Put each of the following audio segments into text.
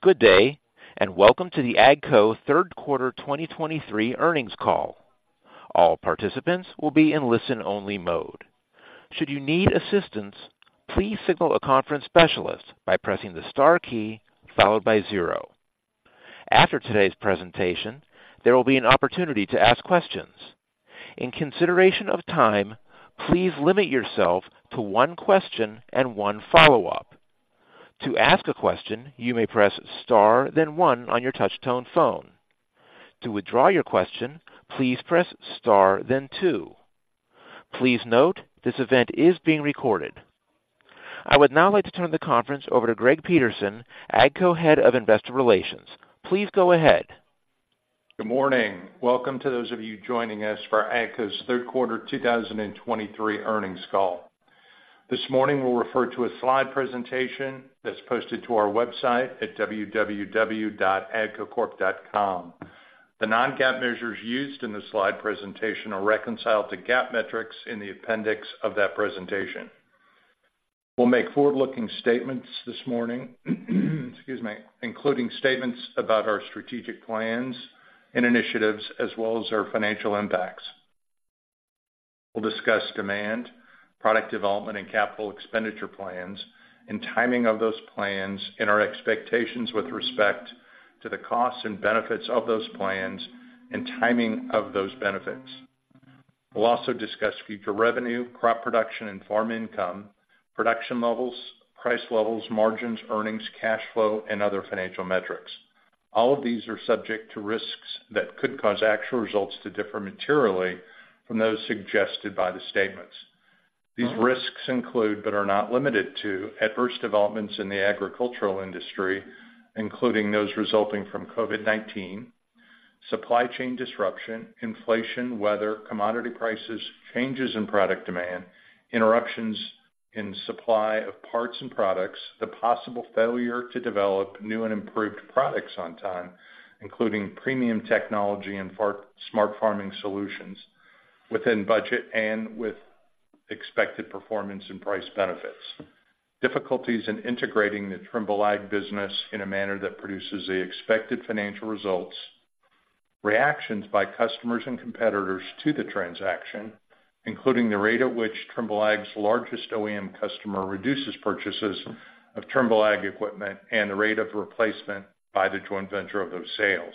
Good day, and welcome to The AGCO Third Quarter 2023 Earnings Call. All participants will be in listen-only mode. Should you need assistance, please signal a conference specialist by pressing the star key followed by zero. After today's presentation, there will be an opportunity to ask questions. In consideration of time, please limit yourself to one question and one follow-up. To ask a question, you may press star, then one on your touchtone phone. To withdraw your question, please press Star, then two. Please note, this event is being recorded. I would now like to turn the conference over to Greg Peterson, AGCO Head of Investor Relations. Please go ahead. Good morning. Welcome to those of you joining us for AGCO's third quarter 2023 earnings call. This morning, we'll refer to a slide presentation that's posted to our website at www.agcocorp.com. The non-GAAP measures used in the slide presentation are reconciled to GAAP metrics in the appendix of that presentation. We'll make forward-looking statements this morning, excuse me, including statements about our strategic plans and initiatives, as well as our financial impacts. We'll discuss demand, product development, and capital expenditure plans, and timing of those plans, and our expectations with respect to the costs and benefits of those plans, and timing of those benefits. We'll also discuss future revenue, crop production, and farm income, production levels, price levels, margins, earnings, cash flow, and other financial metrics. All of these are subject to risks that could cause actual results to differ materially from those suggested by the statements. These risks include, but are not limited to, adverse developments in the agricultural industry, including those resulting from COVID-19, supply chain disruption, inflation, weather, commodity prices, changes in product demand, interruptions in supply of parts and products, the possible failure to develop new and improved products on time, including premium technology and smart farming solutions within budget and with expected performance and price benefits. Difficulties in integrating the Trimble Ag business in a manner that produces the expected financial results. Reactions by customers and competitors to the transaction, including the rate at which Trimble Ag's largest OEM customer reduces purchases of Trimble Ag equipment, and the rate of replacement by the joint venture of those sales.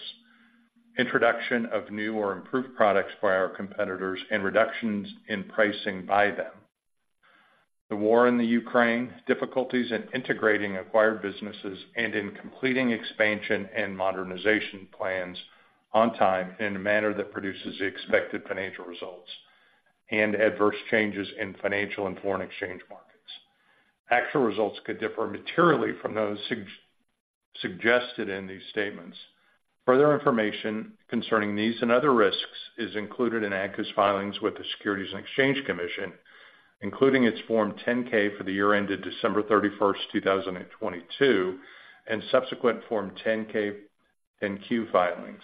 Introduction of new or improved products by our competitors, and reductions in pricing by them. The war in Ukraine, difficulties in integrating acquired businesses, and in completing expansion and modernization plans on time, in a manner that produces the expected financial results, and adverse changes in financial and foreign exchange markets. Actual results could differ materially from those suggested in these statements. Further information concerning these and other risks is included in AGCO's filings with the Securities and Exchange Commission, including its Form 10-K for the year ended December 31, 2022, and subsequent Form 10-K and 10-Q filings.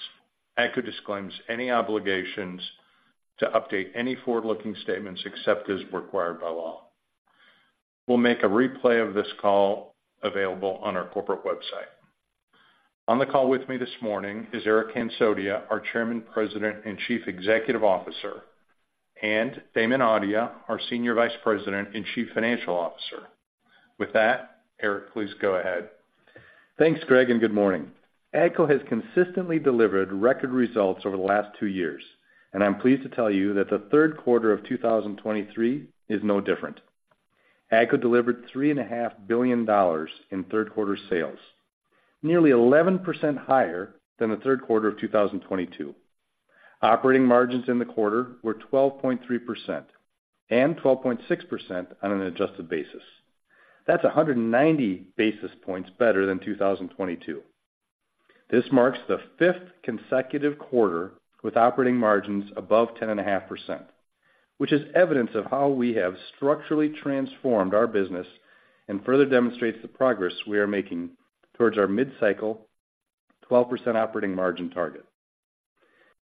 AGCO disclaims any obligations to update any forward-looking statements except as required by law. We'll make a replay of this call available on our corporate website. On the call with me this morning is Eric Hansotia, our Chairman, President, and Chief Executive Officer, and Damon Audia, our Senior Vice President and Chief Financial Officer. With that, Eric, please go ahead. Thanks, Greg, and good morning. AGCO has consistently delivered record results over the last two years, and I'm pleased to tell you that the third quarter of 2023 is no different. AGCO delivered $3.5 billion in third quarter sales, nearly 11% higher than the third quarter of 2022. Operating margins in the quarter were 12.3% and 12.6% on an adjusted basis. That's 190 basis points better than 2022. This marks the fifth consecutive quarter with operating margins above 10.5%, which is evidence of how we have structurally transformed our business and further demonstrates the progress we are making towards our mid-cycle 12% operating margin target.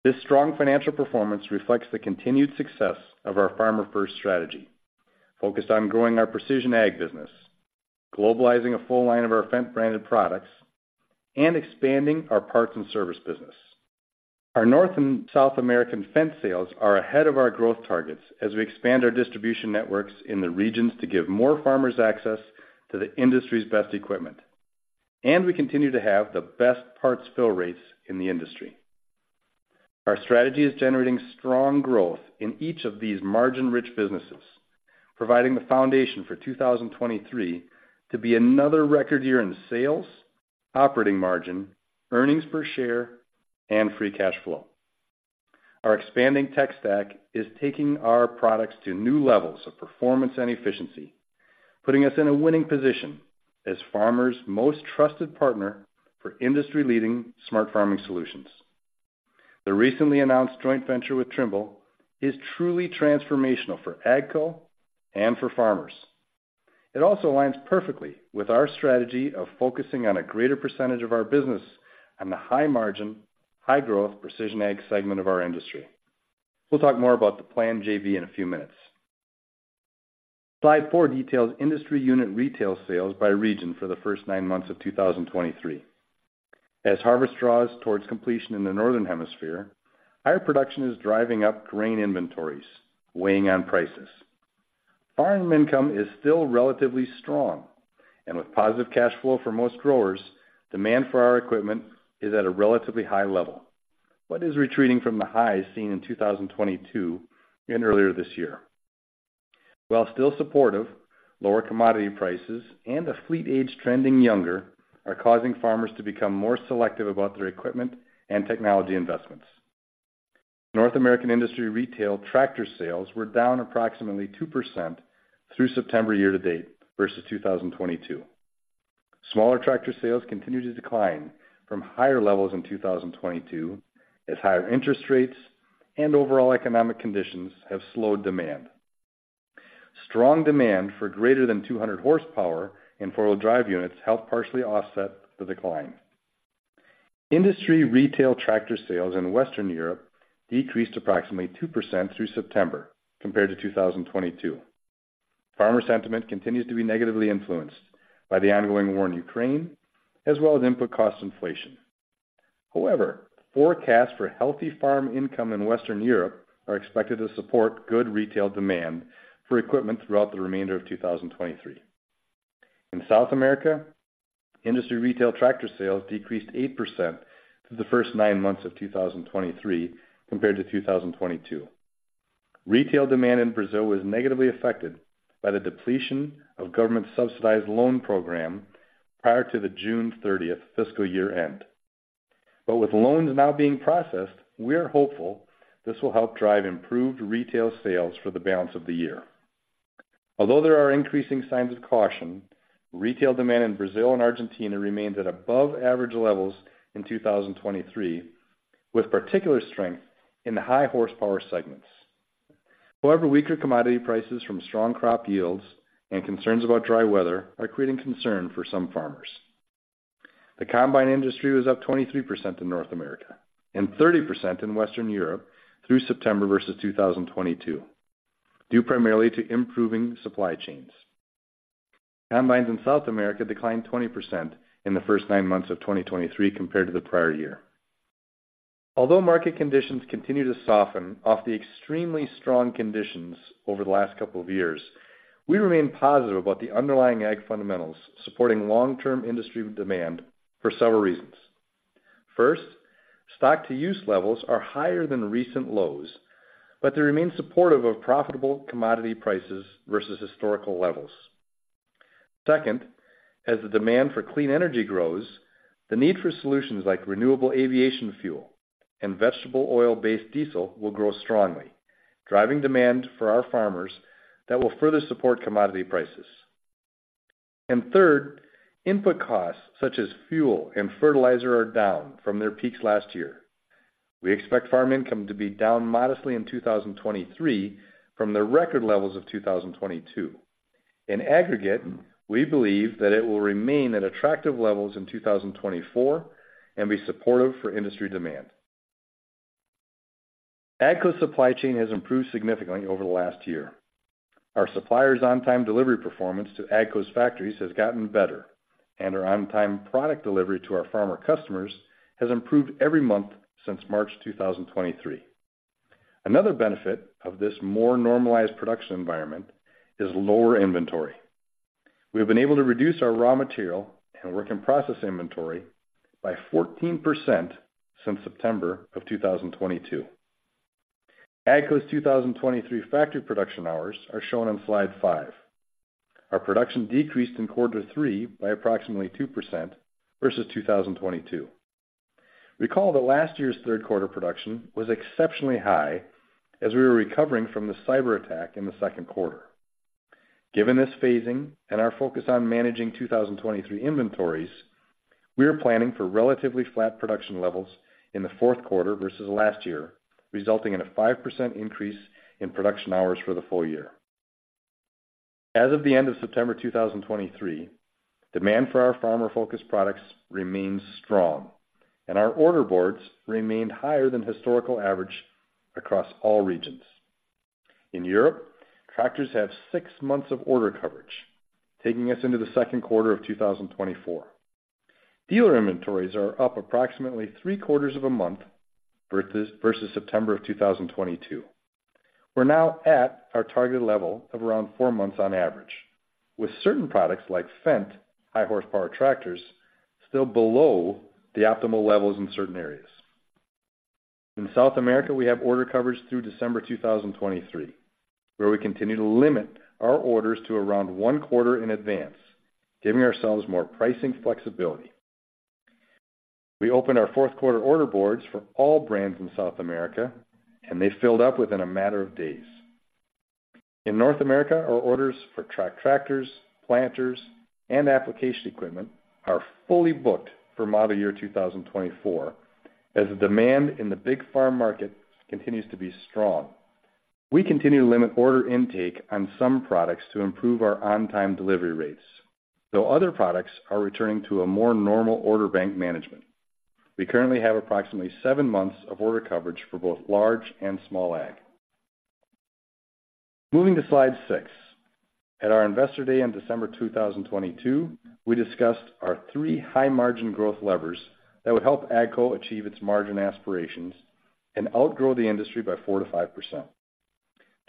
This strong financial performance reflects the continued success of our Farmer First strategy, focused on growing our Precision Ag business, globalizing a full line of our Fendt-branded products, and expanding our parts and service business. Our North and South American Fendt sales are ahead of our growth targets as we expand our distribution networks in the regions to give more farmers access to the industry's best equipment, and we continue to have the best parts fill rates in the industry. Our strategy is generating strong growth in each of these margin-rich businesses, providing the foundation for 2023 to be another record year in sales, operating margin, earnings per share, and free cash flow. Our expanding tech stack is taking our products to new levels of performance and efficiency, putting us in a winning position as farmers' most trusted partner for industry-leading smart farming solutions. The recently announced joint venture with Trimble is truly transformational for AGCO and for farmers. It also aligns perfectly with our strategy of focusing on a greater percentage of our business on the high margin, high-growth, Precision Ag segment of our industry. We'll talk more about the planned JV in a few minutes. Slide 4 details industry unit retail sales by region for the first 9 months of 2023. As harvest draws towards completion in the Northern Hemisphere, higher production is driving up grain inventories, weighing on prices. Farm income is still relatively strong, and with positive cash flow for most growers, demand for our equipment is at a relatively high level, but is retreating from the highs seen in 2022 and earlier this year. While still supportive, lower commodity prices and a fleet age trending younger are causing farmers to become more selective about their equipment and technology investments. North American industry retail tractor sales were down approximately 2% through September year-to-date versus 2022. Smaller tractor sales continued to decline from higher levels in 2022, as higher interest rates and overall economic conditions have slowed demand. Strong demand for greater than 200 horsepower and four-wheel drive units helped partially offset the decline. Industry retail tractor sales in Western Europe decreased approximately 2% through September compared to 2022. Farmer sentiment continues to be negatively influenced by the ongoing war in Ukraine, as well as input cost inflation. However, forecasts for healthy farm income in Western Europe are expected to support good retail demand for equipment throughout the remainder of 2023. In South America, industry retail tractor sales decreased 8% through the first nine months of 2023 compared to 2022. Retail demand in Brazil was negatively affected by the depletion of government-subsidized loan program prior to the June 30 fiscal year end. But with loans now being processed, we are hopeful this will help drive improved retail sales for the balance of the year. Although there are increasing signs of caution, retail demand in Brazil and Argentina remains at above average levels in 2023, with particular strength in the high horsepower segments. However, weaker commodity prices from strong crop yields and concerns about dry weather are creating concern for some farmers. The combine industry was up 23% in North America and 30% in Western Europe through September versus 2022, due primarily to improving supply chains. Combines in South America declined 20% in the first nine months of 2023 compared to the prior year. Although market conditions continue to soften off the extremely strong conditions over the last couple of years, we remain positive about the underlying ag fundamentals, supporting long-term industry demand for several reasons. First, stock-to-use levels are higher than recent lows, but they remain supportive of profitable commodity prices versus historical levels. Second, as the demand for clean energy grows, the need for solutions like renewable aviation fuel and vegetable oil-based diesel will grow strongly, driving demand for our farmers that will further support commodity prices. And third, input costs, such as fuel and fertilizer, are down from their peaks last year. We expect farm income to be down modestly in 2023 from the record levels of 2022. In aggregate, we believe that it will remain at attractive levels in 2024 and be supportive for industry demand. AGCO's supply chain has improved significantly over the last year. Our suppliers' on-time delivery performance to AGCO's factories has gotten better, and our on-time product delivery to our farmer customers has improved every month since March 2023. Another benefit of this more normalized production environment is lower inventory. We have been able to reduce our raw material and work-in-process inventory by 14% since September 2022. AGCO's 2023 factory production hours are shown on slide five. Our production decreased in quarter three by approximately 2% versus 2022. Recall that last year's third quarter production was exceptionally high as we were recovering from the cyberattack in the second quarter. Given this phasing and our focus on managing 2023 inventories, we are planning for relatively flat production levels in the fourth quarter versus last year, resulting in a 5% increase in production hours for the full year. As of the end of September 2023, demand for our farmer-focused products remains strong, and our order boards remained higher than historical average across all regions. In Europe, tractors have six months of order coverage, taking us into the second quarter of 2024. Dealer inventories are up approximately three quarters of a month versus September of 2022. We're now at our target level of around four months on average, with certain products like Fendt, high horsepower tractors, still below the optimal levels in certain areas. In South America, we have order coverage through December 2023, where we continue to limit our orders to around one quarter in advance, giving ourselves more pricing flexibility. We opened our fourth quarter order boards for all brands in South America, and they filled up within a matter of days. In North America, our orders for tracked tractors, planters, and application equipment are fully booked for model year 2024, as the demand in the big farm market continues to be strong. We continue to limit order intake on some products to improve our on-time delivery rates, though other products are returning to a more normal order bank management. We currently have approximately seven months of order coverage for both large and small ag. Moving to slide six. At our Investor Day on December 2022, we discussed our three high margin growth levers that would help AGCO achieve its margin aspirations and outgrow the industry by 4%-5%.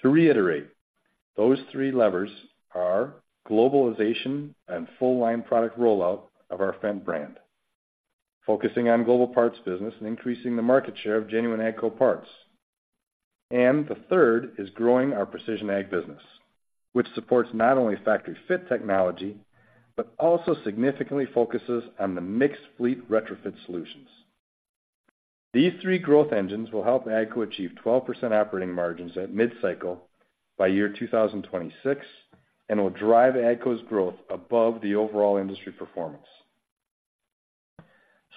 To reiterate, those three levers are globalization and full line product rollout of our Fendt brand, focusing on global parts business and increasing the market share of genuine AGCO parts. The third is growing our Precision Ag business, which supports not only factory fit technology, but also significantly focuses on the mixed fleet retrofit solutions. These three growth engines will help AGCO achieve 12% operating margins at mid-cycle by 2026, and will drive AGCO's growth above the overall industry performance.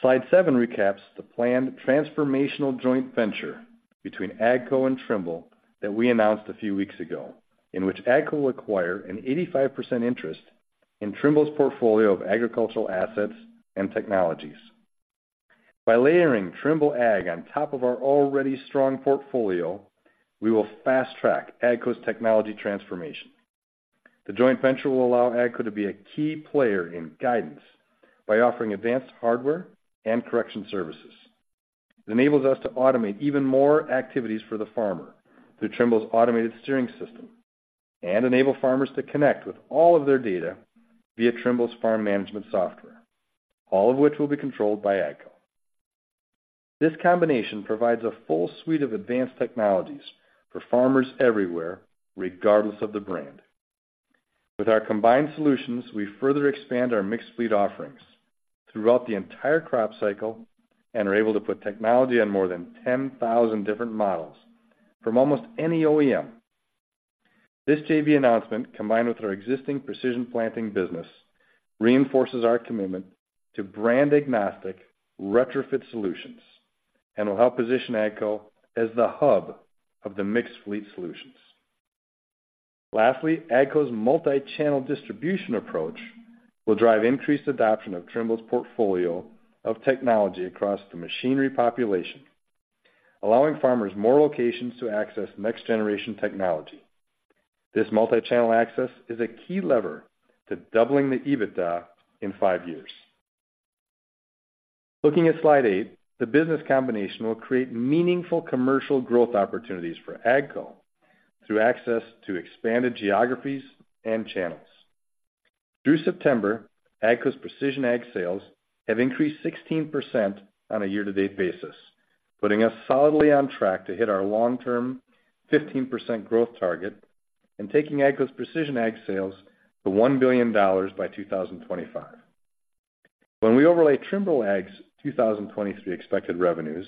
Slide seven recaps the planned transformational joint venture between AGCO and Trimble that we announced a few weeks ago, in which AGCO will acquire an 85% interest in Trimble's portfolio of agricultural assets and technologies. By layering Trimble Ag on top of our already strong portfolio, we will fast-track AGCO's technology transformation. The joint venture will allow AGCO to be a key player in guidance by offering advanced hardware and correction services. It enables us to automate even more activities for the farmer through Trimble's automated steering system and enable farmers to connect with all of their data via Trimble's farm management software, all of which will be controlled by AGCO. This combination provides a full suite of advanced technologies for farmers everywhere, regardless of the brand. With our combined solutions, we further expand our mixed fleet offerings throughout the entire crop cycle and are able to put technology on more than 10,000 different models from almost any OEM. This JV announcement, combined with our existing Precision Planting business, reinforces our commitment to brand agnostic retrofit solutions and will help position AGCO as the hub of the mixed fleet solutions. Lastly, AGCO's multi-channel distribution approach will drive increased adoption of Trimble's portfolio of technology across the machinery population, allowing farmers more locations to access next generation technology. This multi-channel access is a key lever to doubling the EBITDA in five years. Looking at slide eight, the business combination will create meaningful commercial growth opportunities for AGCO through access to expanded geographies and channels. Through September, AGCO's Precision Ag sales have increased 16% on a year-to-date basis, putting us solidly on track to hit our long-term 15% growth target and taking AGCO's Precision Ag sales to $1 billion by 2025. When we overlay Trimble Ag's 2023 expected revenues,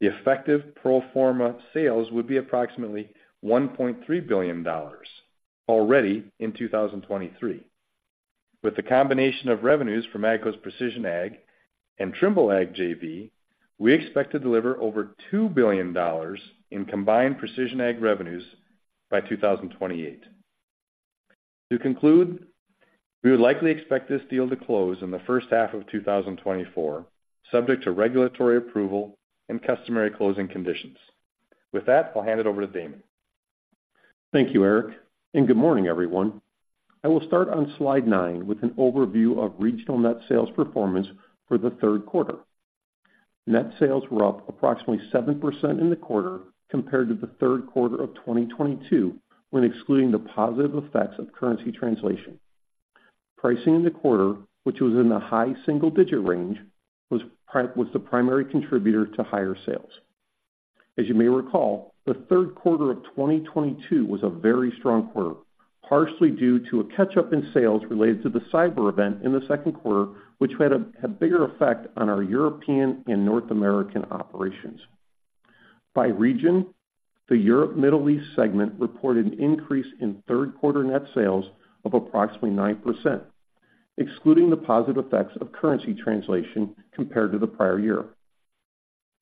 the effective pro forma sales would be approximately $1.3 billion already in 2023. With the combination of revenues from AGCO's Precision Ag and Trimble Ag JV, we expect to deliver over $2 billion in combined Precision Ag revenues by 2028. To conclude, we would likely expect this deal to close in the first half of 2024, subject to regulatory approval and customary closing conditions. With that, I'll hand it over to Damon. Thank you, Eric, and good morning, everyone. I will start on slide nine with an overview of regional net sales performance for the third quarter. Net sales were up approximately 7% in the quarter compared to the third quarter of 2022, when excluding the positive effects of currency translation. Pricing in the quarter, which was in the high single digit range, was the primary contributor to higher sales. As you may recall, the third quarter of 2022 was a very strong quarter, partially due to a catch-up in sales related to the cyber event in the second quarter, which had bigger effect on our European and North American operations. By region, the Europe, Middle East segment reported an increase in third quarter net sales of approximately 9%, excluding the positive effects of currency translation compared to the prior year.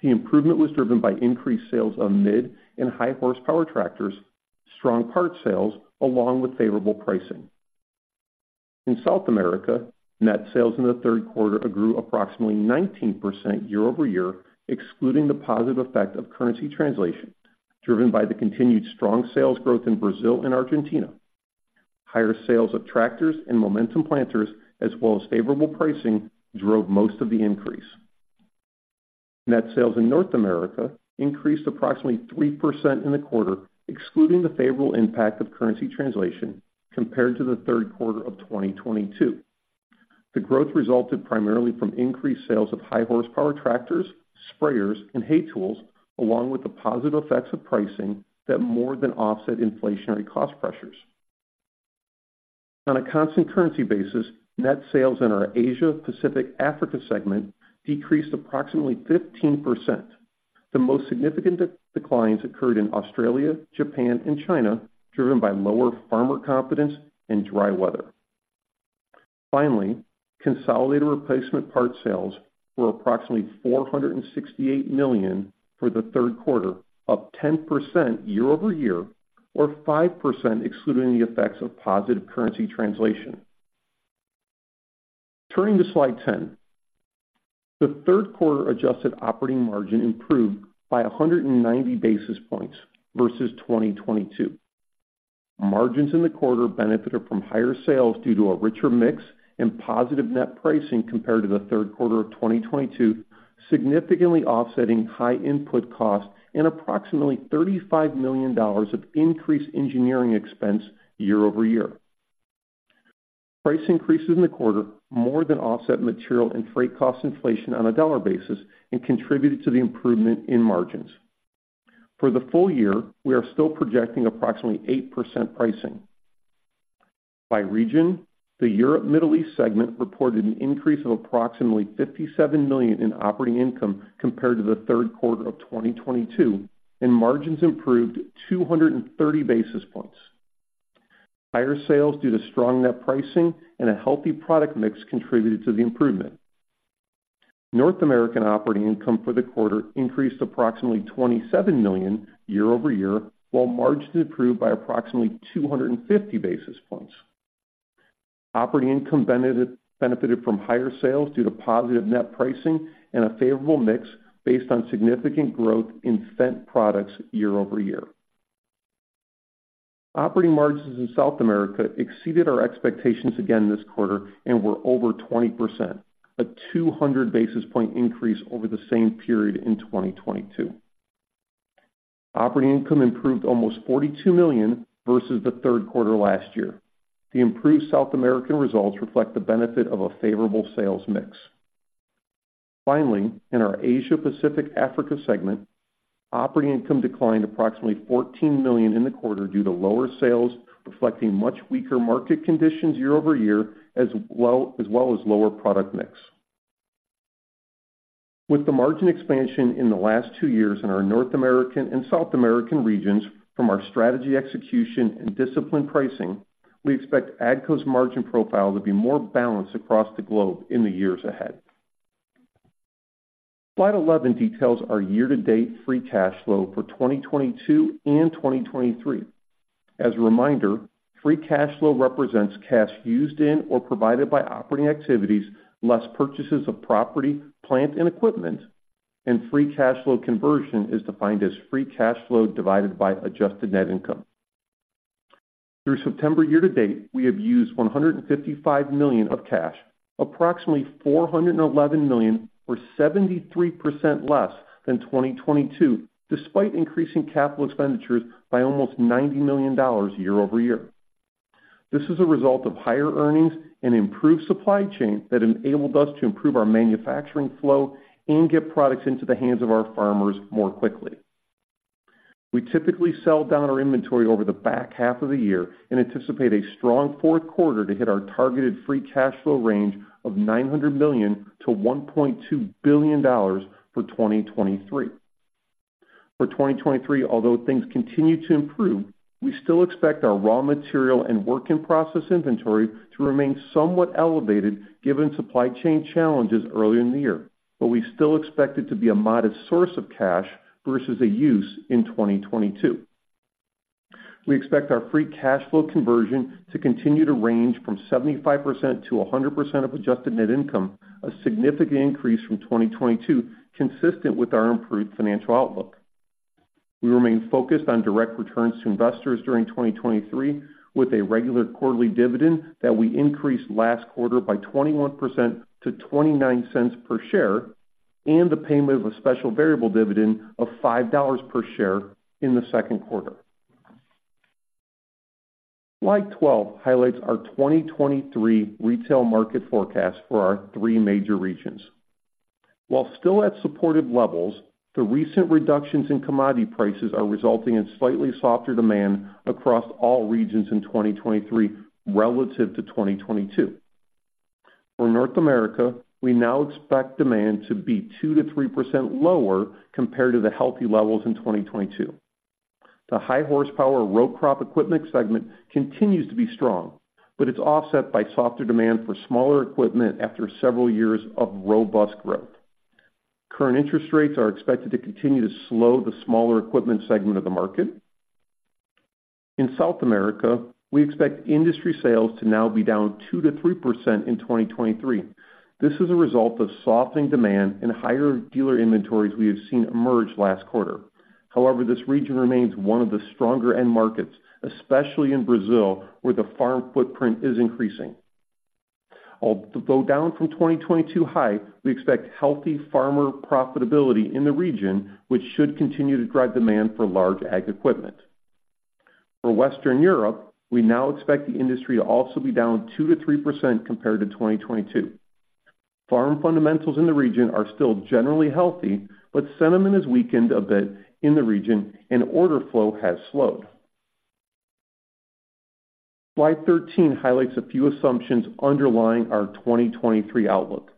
The improvement was driven by increased sales of mid- and high-horsepower tractors, strong parts sales, along with favorable pricing. In South America, net sales in the third quarter grew approximately 19% year-over-year, excluding the positive effect of currency translation, driven by the continued strong sales growth in Brazil and Argentina. Higher sales of tractors and Momentum planters, as well as favorable pricing, drove most of the increase. Net sales in North America increased approximately 3% in the quarter, excluding the favorable impact of currency translation compared to the third quarter of 2022. The growth resulted primarily from increased sales of high-horsepower tractors, sprayers, and hay tools, along with the positive effects of pricing that more than offset inflationary cost pressures. On a constant currency basis, net sales in our Asia, Pacific, Africa segment decreased approximately 15%. The most significant declines occurred in Australia, Japan, and China, driven by lower farmer confidence and dry weather. Finally, consolidated replacement parts sales were approximately $468 million for the third quarter, up 10% year-over-year, or 5% excluding the effects of positive currency translation. Turning to Slide 10. The third quarter adjusted operating margin improved by 190 basis points versus 2022. Margins in the quarter benefited from higher sales due to a richer mix and positive net pricing compared to the third quarter of 2022, significantly offsetting high input costs and approximately $35 million of increased engineering expense year-over-year. Price increases in the quarter more than offset material and freight cost inflation on a dollar basis and contributed to the improvement in margins. For the full year, we are still projecting approximately 8% pricing. By region, the Europe, Middle East segment reported an increase of approximately $57 million in operating income compared to the third quarter of 2022, and margins improved 230 basis points. Higher sales due to strong net pricing and a healthy product mix contributed to the improvement. North American operating income for the quarter increased approximately $27 million year-over-year, while margins improved by approximately 250 basis points. Operating income benefited from higher sales due to positive net pricing and a favorable mix based on significant growth in Fendt products year-over-year. Operating margins in South America exceeded our expectations again this quarter and were over 20%, a 200 basis point increase over the same period in 2022. Operating income improved almost $42 million versus the third quarter last year. The improved South American results reflect the benefit of a favorable sales mix. Finally, in our Asia Pacific Africa segment, operating income declined approximately $14 million in the quarter due to lower sales, reflecting much weaker market conditions year-over-year, as well, as well as lower product mix. With the margin expansion in the last two years in our North American and South American regions from our strategy execution and disciplined pricing, we expect AGCO's margin profile to be more balanced across the globe in the years ahead. Slide 11 details our year-to-date free cash flow for 2022 and 2023. As a reminder, free cash flow represents cash used in or provided by operating activities, less purchases of property, plant, and equipment. Free cash flow conversion is defined as free cash flow divided by adjusted net income. Through September year to date, we have used $155 million of cash, approximately $411 million, or 73% less than 2022, despite increasing capital expenditures by almost $90 million year-over-year. This is a result of higher earnings and improved supply chain that enabled us to improve our manufacturing flow and get products into the hands of our farmers more quickly. We typically sell down our inventory over the back half of the year and anticipate a strong fourth quarter to hit our targeted free cash flow range of $900 million-$1.2 billion for 2023. For 2023, although things continue to improve, we still expect our raw material and work-in-process inventory to remain somewhat elevated, given supply chain challenges earlier in the year. But we still expect it to be a modest source of cash versus a use in 2022. We expect our free cash flow conversion to continue to range from 75%-100% of adjusted net income, a significant increase from 2022, consistent with our improved financial outlook. We remain focused on direct returns to investors during 2023, with a regular quarterly dividend that we increased last quarter by 21% to $0.29 per share, and the payment of a special variable dividend of $5 per share in the second quarter. Slide 12 highlights our 2023 retail market forecast for our three major regions. While still at supportive levels, the recent reductions in commodity prices are resulting in slightly softer demand across all regions in 2023 relative to 2022. For North America, we now expect demand to be 2%-3% lower compared to the healthy levels in 2022. The high horsepower row crop equipment segment continues to be strong, but it's offset by softer demand for smaller equipment after several years of robust growth. Current interest rates are expected to continue to slow the smaller equipment segment of the market. In South America, we expect industry sales to now be down 2%-3% in 2023. This is a result of softening demand and higher dealer inventories we have seen emerge last quarter. However, this region remains one of the stronger end markets, especially in Brazil, where the farm footprint is increasing. Although down from 2022 high, we expect healthy farmer profitability in the region, which should continue to drive demand for large ag equipment. For Western Europe, we now expect the industry to also be down 2%-3% compared to 2022. Farm fundamentals in the region are still generally healthy, but sentiment has weakened a bit in the region, and order flow has slowed. Slide 13 highlights a few assumptions underlying our 2023 outlook.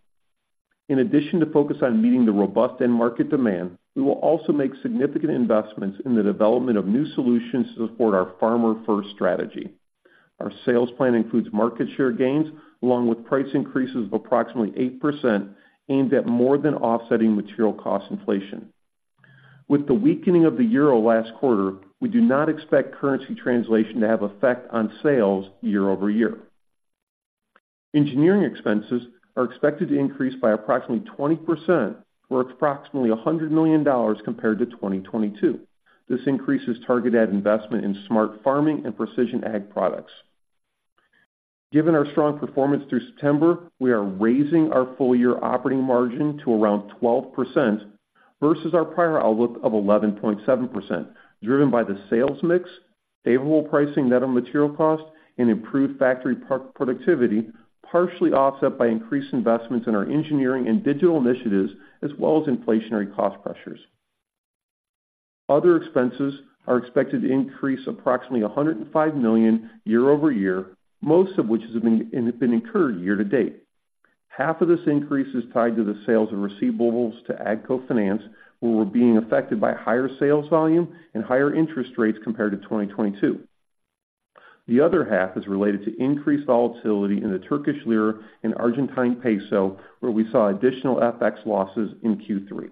In addition to focus on meeting the robust end market demand, we will also make significant investments in the development of new solutions to support our farmer-first strategy. Our sales plan includes market share gains, along with price increases of approximately 8%, aimed at more than offsetting material cost inflation. With the weakening of the euro last quarter, we do not expect currency translation to have effect on sales year-over-year. Engineering expenses are expected to increase by approximately 20%, or approximately $100 million compared to 2022. This increases targeted investment in smart farming and Precision Ag products. Given our strong performance through September, we are raising our full-year operating margin to around 12% versus our prior outlook of 11.7%, driven by the sales mix, favorable pricing net of material costs, and improved factory productivity, partially offset by increased investments in our engineering and digital initiatives, as well as inflationary cost pressures. Other expenses are expected to increase approximately $105 million year over year, most of which has been incurred year to date. Half of this increase is tied to the sales and receivables to AGCO Finance, where we're being affected by higher sales volume and higher interest rates compared to 2022. The other half is related to increased volatility in the Turkish lira and Argentine peso, where we saw additional FX losses in Q3.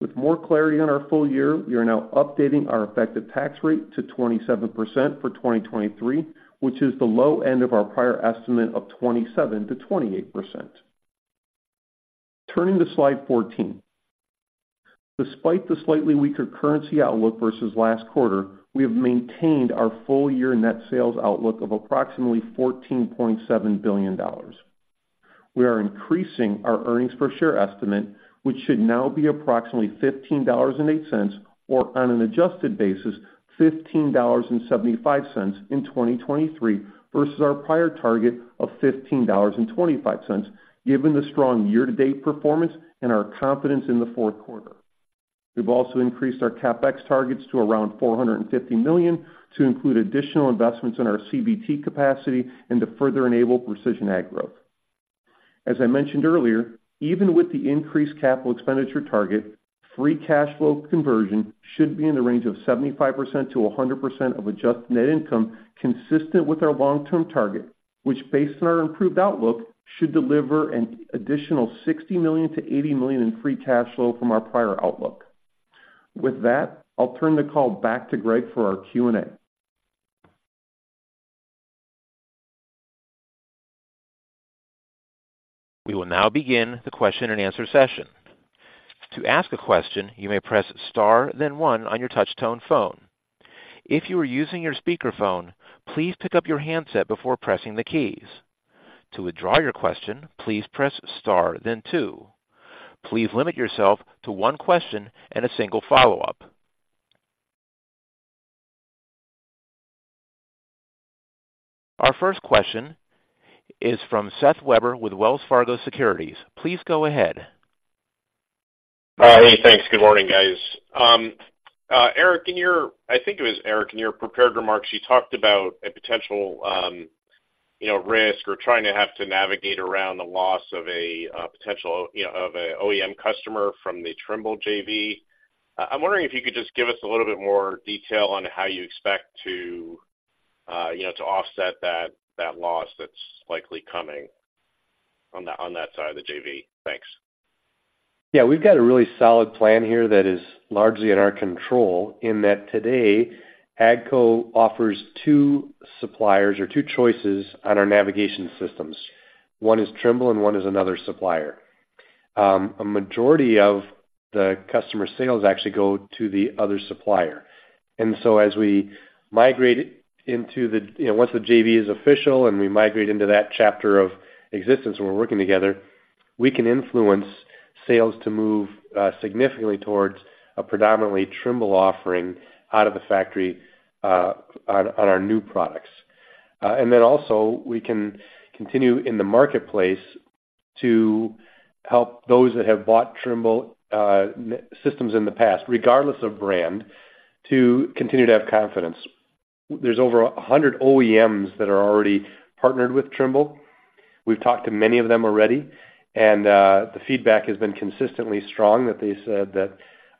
With more clarity on our full year, we are now updating our effective tax rate to 27% for 2023, which is the low end of our prior estimate of 27%-28%. Turning to slide 14. Despite the slightly weaker currency outlook versus last quarter, we have maintained our full-year net sales outlook of approximately $14.7 billion. We are increasing our earnings per share estimate, which should now be approximately $15.08, or on an adjusted basis, $15.75 in 2023 versus our prior target of $15.25, given the strong year-to-date performance and our confidence in the fourth quarter. We've also increased our CapEx targets to around $450 million to include additional investments in our CVT capacity and to further enable Precision Ag growth. As I mentioned earlier, even with the increased capital expenditure target, free cash flow conversion should be in the range of 75%-100% of adjusted net income, consistent with our long-term target, which, based on our improved outlook, should deliver an additional $60 million-$80 million in Free Cash Flow from our prior outlook. With that, I'll turn the call back to Greg for our Q&A. We will now begin the question-and-answer session. To ask a question, you may press star then one on your touch tone phone. If you are using your speakerphone, please pick up your handset before pressing the keys. To withdraw your question, please press star then two. Please limit yourself to one question and a single follow-up. Our first question is from Seth Weber with Wells Fargo Securities. Please go ahead. Hey, thanks. Good morning, guys. Eric, in your... I think it was Eric, in your prepared remarks, you talked about a potential, you know, risk or trying to have to navigate around the loss of a potential, you know, of a OEM customer from the Trimble JV. I'm wondering if you could just give us a little bit more detail on how you expect to, you know, to offset that, that loss that's likely coming on that, on that side of the JV. Thanks. Yeah, we've got a really solid plan here that is largely in our control in that today, AGCO offers two suppliers or two choices on our navigation systems. One is Trimble and one is another supplier. A majority of the customer sales actually go to the other supplier. And so as we migrate into the, you know, once the JV is official and we migrate into that chapter of existence where we're working together, we can influence sales to move significantly towards a predominantly Trimble offering out of the factory on our new products. And then also, we can continue in the marketplace to help those that have bought Trimble systems in the past, regardless of brand, to continue to have confidence. There's over 100 OEMs that are already partnered with Trimble. We've talked to many of them already, and the feedback has been consistently strong, that they said that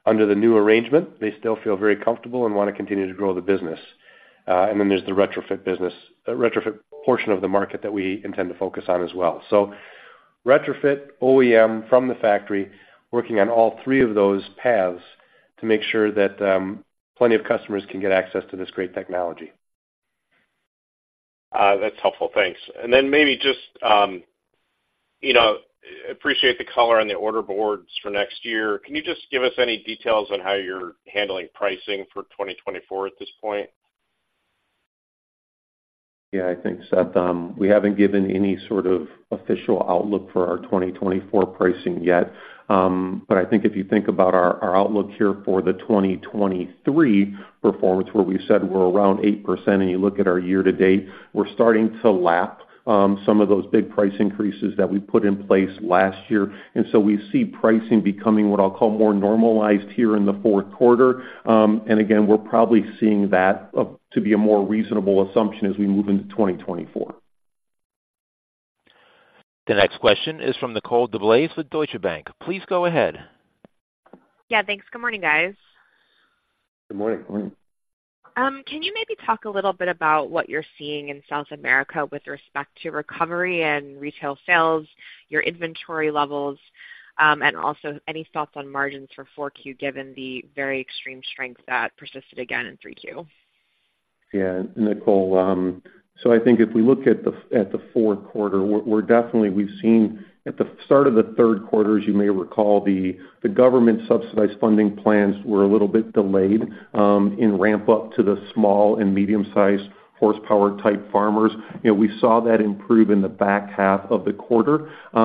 under the new arrangement, they still feel very comfortable and want to continue to grow the business. And then there's the retrofit business, retrofit portion of the market that we intend to focus on as well. So retrofit, OEM, from the factory, working on all three of those paths to make sure that plenty of customers can get access to this great technology. That's helpful. Thanks. And then maybe just, you know, appreciate the color on the order boards for next year. Can you just give us any details on how you're handling pricing for 2024 at this point? Yeah, I think, Seth, we haven't given any sort of official outlook for our 2024 pricing yet. But I think if you think about our, our outlook here for the 2023 performance, where we said we're around 8%, and you look at our year to date, we're starting to lap some of those big price increases that we put in place last year. And so we see pricing becoming what I'll call more normalized here in the fourth quarter. And again, we're probably seeing that to be a more reasonable assumption as we move into 2024. The next question is from Nicole DeBlase with Deutsche Bank. Please go ahead. Yeah, thanks. Good morning, guys. Good morning. Can you maybe talk a little bit about what you're seeing in South America with respect to recovery and retail sales, your inventory levels, and also any thoughts on margins for 4Q, given the very extreme strength that persisted again in 3Q? Yeah, Nicole, so I think if we look at the fourth quarter, we're definitely we've seen at the start of the third quarter, as you may recall, the government subsidized funding plans were a little bit delayed in ramp up to the small and medium-sized horsepower type farmers. You know, we saw that improve in the back half of the quarter. You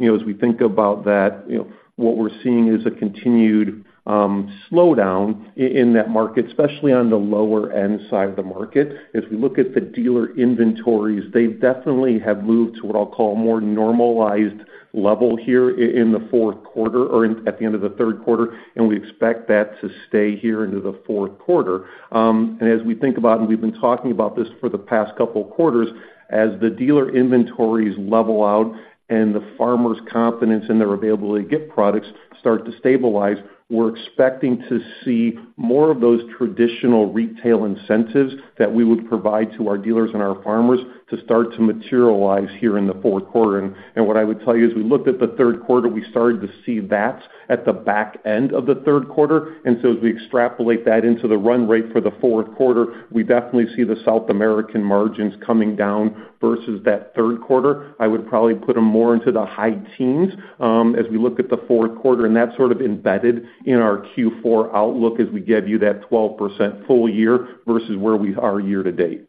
know, as we think about that, you know, what we're seeing is a continued slowdown in that market, especially on the lower end side of the market. As we look at the dealer inventories, they definitely have moved to what I'll call a more normalized level here in the fourth quarter or in at the end of the third quarter, and we expect that to stay here into the fourth quarter. And as we think about, and we've been talking about this for the past couple of quarters, as the dealer inventories level out and the farmers' confidence in their ability to get products start to stabilize, we're expecting to see more of those traditional retail incentives that we would provide to our dealers and our farmers to start to materialize here in the fourth quarter. And what I would tell you is, we looked at the third quarter, we started to see that at the back end of the third quarter. And so as we extrapolate that into the run rate for the fourth quarter, we definitely see the South American margins coming down versus that third quarter. I would probably put them more into the high teens, as we look at the fourth quarter, and that's sort of embedded in our Q4 outlook as we give you that 12% full year versus where we are year to date.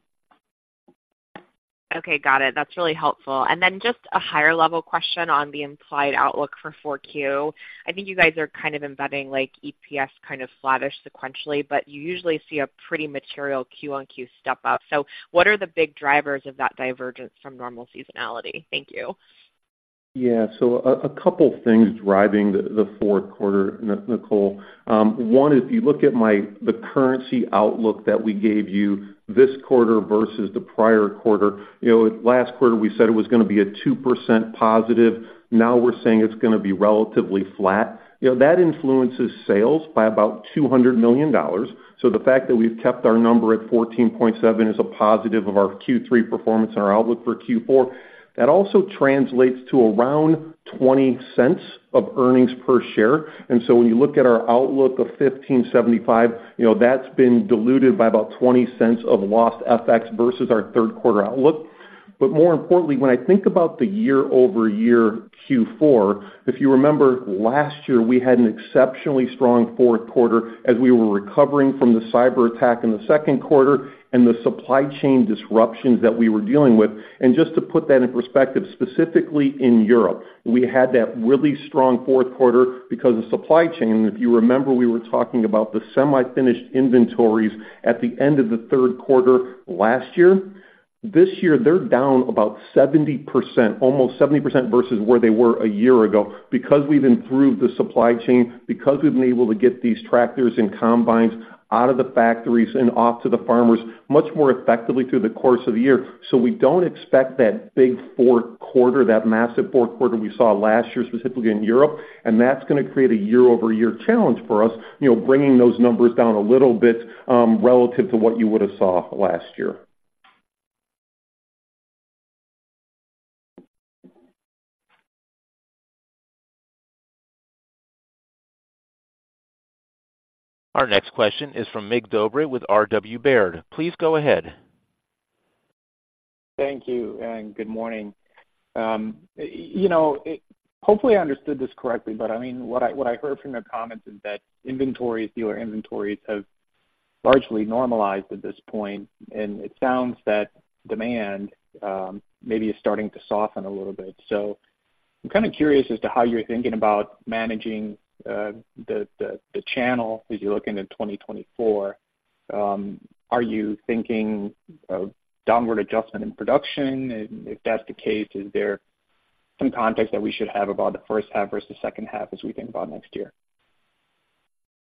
Okay, got it. That's really helpful. And then just a higher level question on the implied outlook for 4Q. I think you guys are kind of embedding like EPS, kind of flattish sequentially, but you usually see a pretty material Q-on-Q step up. So what are the big drivers of that divergence from normal seasonality? Thank you. Yeah. So a couple things driving the fourth quarter, Nicole. One is, if you look at the currency outlook that we gave you this quarter versus the prior quarter, you know, last quarter, we said it was gonna be a 2% positive. Now we're saying it's gonna be relatively flat. You know, that influences sales by about $200 million. So the fact that we've kept our number at $14.7 billion is a positive of our Q3 performance and our outlook for Q4. That also translates to around $0.20 of earnings per share. And so when you look at our outlook of $15.75 billion, you know, that's been diluted by about $0.20 of lost FX versus our third quarter outlook. But more importantly, when I think about the year-over-year Q4, if you remember, last year, we had an exceptionally strong fourth quarter as we were recovering from the cyberattack in the second quarter and the supply chain disruptions that we were dealing with. And just to put that in perspective, specifically in Europe, we had that really strong fourth quarter because of supply chain. If you remember, we were talking about the semi-finished inventories at the end of the third quarter last year. This year, they're down about 70%, almost 70% versus where they were a year ago because we've improved the supply chain, because we've been able to get these tractors and combines out of the factories and off to the farmers much more effectively through the course of the year. So we don't expect that big fourth quarter, that massive fourth quarter we saw last year, specifically in Europe, and that's gonna create a year-over-year challenge for us, you know, bringing those numbers down a little bit, relative to what you would have saw last year. Our next question is from Mig Dobre with RW Baird. Please go ahead. Thank you, and good morning. You know, hopefully, I understood this correctly, but, I mean, what I, what I heard from your comments is that inventories, dealer inventories, have largely normalized at this point, and it sounds that demand, maybe is starting to soften a little bit. So I'm kind of curious as to how you're thinking about managing, the channel as you look into 2024. Are you thinking of downward adjustment in production? And if that's the case, is there some context that we should have about the first half versus the second half as we think about next year?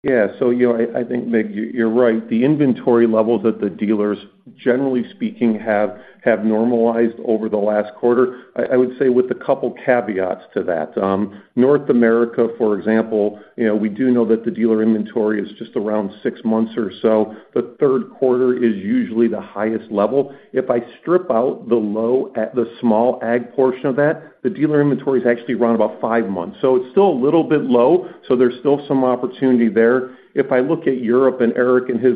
Yeah. So, you know, I think, Mig, you're right. The inventory levels that the dealers, generally speaking, have normalized over the last quarter, I would say, with a couple caveats to that. North America, for example, you know, we do know that the dealer inventory is just around 6 months or so. The third quarter is usually the highest level. If I strip out the low at the small ag portion of that, the dealer inventory is actually around about 5 months. So it's still a little bit low, so there's still some opportunity there. If I look at Europe, and Eric, in his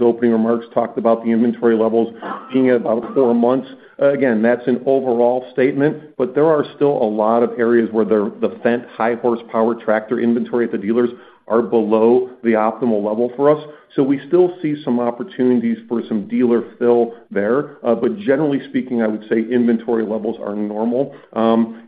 opening remarks, talked about the inventory levels being at about four months. Again, that's an overall statement, but there are still a lot of areas where the Fendt high horsepower tractor inventory at the dealers are below the optimal level for us. So we still see some opportunities for some dealer fill there. But generally speaking, I would say inventory levels are normal.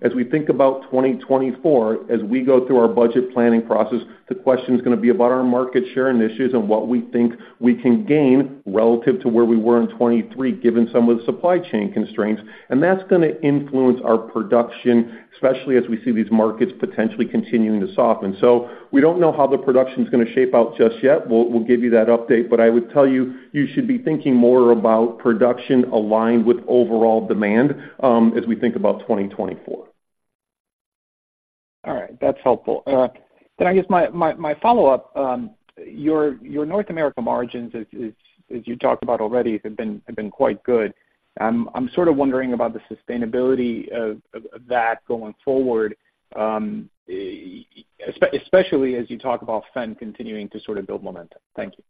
As we think about 2024, as we go through our budget planning process, the question is gonna be about our market share and issues and what we think we can gain relative to where we were in 2023, given some of the supply chain constraints. And that's gonna influence our production, especially as we see these markets potentially continuing to soften. So we don't know how the production is gonna shape out just yet. We'll, we'll give you that update, but I would tell you, you should be thinking more about production aligned with overall demand, as we think about 2024. All right, that's helpful. Then I guess my follow-up, your North America margins is, as you talked about already, have been quite good. I'm sort of wondering about the sustainability of that going forward, especially as you talk about Fendt continuing to sort of build momentum. Thank you.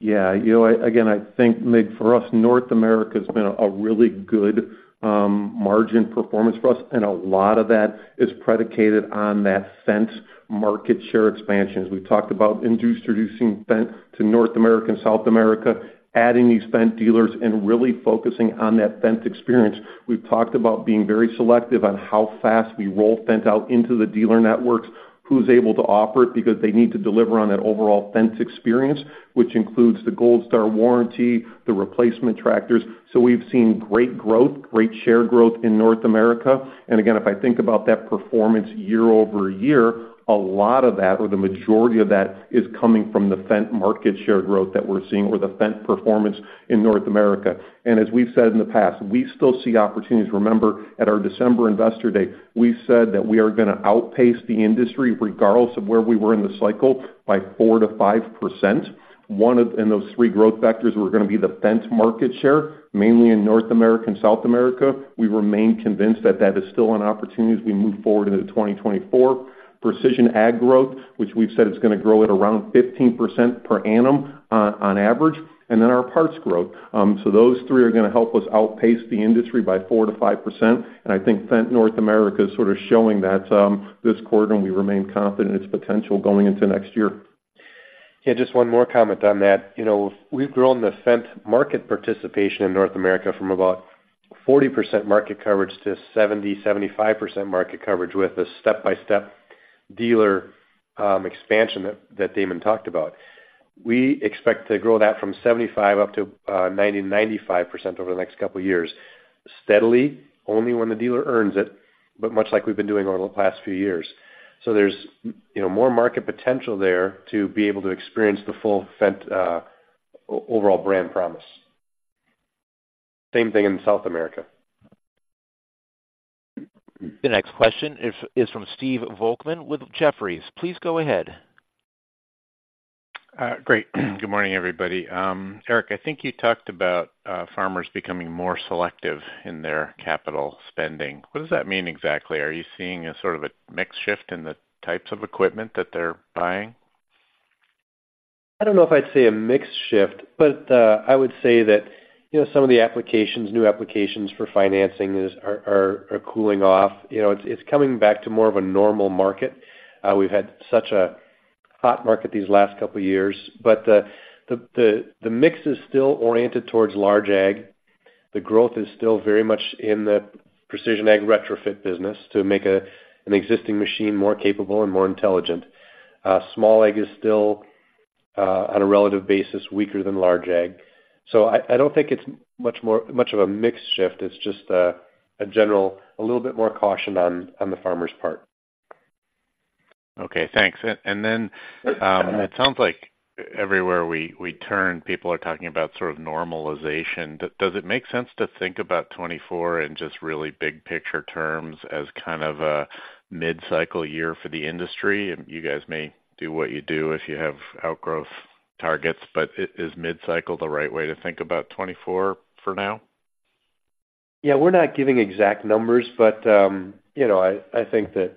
Yeah. You know, again, I think, Mig, for us, North America has been a really good margin performance for us, and a lot of that is predicated on that Fendt market share expansions. We've talked about introducing Fendt to North America and South America, adding these Fendt dealers, and really focusing on that Fendt experience. We've talked about being very selective on how fast we roll Fendt out into the dealer networks, who's able to offer it, because they need to deliver on that overall Fendt experience, which includes the Gold Star Warranty, the replacement tractors. So we've seen great growth, great share growth in North America. And again, if I think about that performance year-over-year, a lot of that, or the majority of that, is coming from the Fendt market share growth that we're seeing or the Fendt performance in North America. And as we've said in the past, we still see opportunities. Remember, at our December Investor Day, we said that we are gonna outpace the industry regardless of where we were in the cycle, by 4%-5%. And those three growth vectors were gonna be the Fendt market share, mainly in North America and South America. We remain convinced that that is still an opportunity as we move forward into 2024. Precision Ag growth, which we've said is gonna grow at around 15% per annum, on average, and then our parts growth. So those three are gonna help us outpace the industry by 4%-5%, and I think Fendt North America is sort of showing that, this quarter, and we remain confident in its potential going into next year. Yeah, just one more comment on that. You know, we've grown the Fendt market participation in North America from about 40% market coverage to 70%-75% market coverage with a step-by-step dealer expansion that Damon talked about. We expect to grow that from 75% up to 90%-95% over the next couple of years. Steadily, only when the dealer earns it, but much like we've been doing over the last few years. So there's, you know, more market potential there to be able to experience the full Fendt overall brand promise. Same thing in South America. The next question is from Steve Volkmann with Jefferies. Please go ahead. Great. Good morning, everybody. Eric, I think you talked about farmers becoming more selective in their capital spending. What does that mean exactly? Are you seeing a sort of a mix shift in the types of equipment that they're buying? I don't know if I'd say a mix shift, but I would say that, you know, some of the new applications for financing are cooling off. You know, it's coming back to more of a normal market. We've had such a hot market these last couple of years, but the mix is still oriented towards large ag. The growth is still very much in the Precision Ag retrofit business to make an existing machine more capable and more intelligent. Small ag is still, on a relative basis, weaker than large ag. So I don't think it's much more of a mix shift. It's just a general, a little bit more caution on the farmer's part. Okay, thanks. And then, it sounds like everywhere we turn, people are talking about sort of normalization. Does it make sense to think about 2024 in just really big picture terms as kind of a mid-cycle year for the industry? And you guys may do what you do if you have outgrowth targets, but is mid-cycle the right way to think about 2024 for now? Yeah, we're not giving exact numbers, but, you know, I think that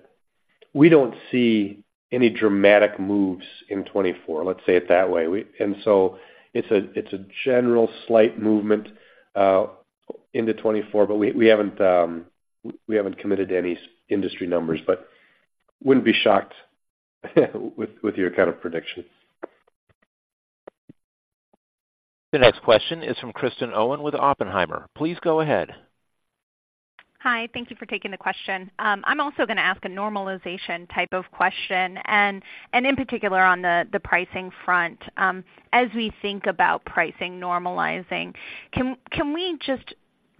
we don't see any dramatic moves in 2024. Let's say it that way. It's a general slight movement into 2024, but we haven't committed to any industry numbers, but wouldn't be shocked with your kind of prediction. The next question is from Kristen Owen with Oppenheimer. Please go ahead. Hi, thank you for taking the question. I'm also gonna ask a normalization type of question, and in particular on the pricing front. As we think about pricing normalizing, can we just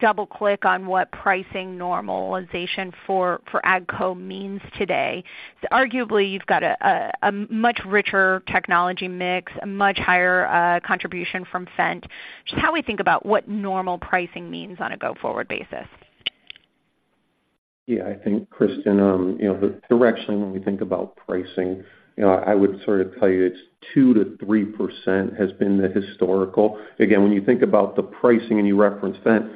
double-click on what pricing normalization for AGCO means today? So arguably, you've got a much richer technology mix, a much higher contribution from Fendt. Just how we think about what normal pricing means on a go-forward basis. Yeah, I think, Kristen, you know, the direction when we think about pricing, you know, I would sort of tell you it's 2%-3% has been the historical. Again, when you think about the pricing and you reference Fendt,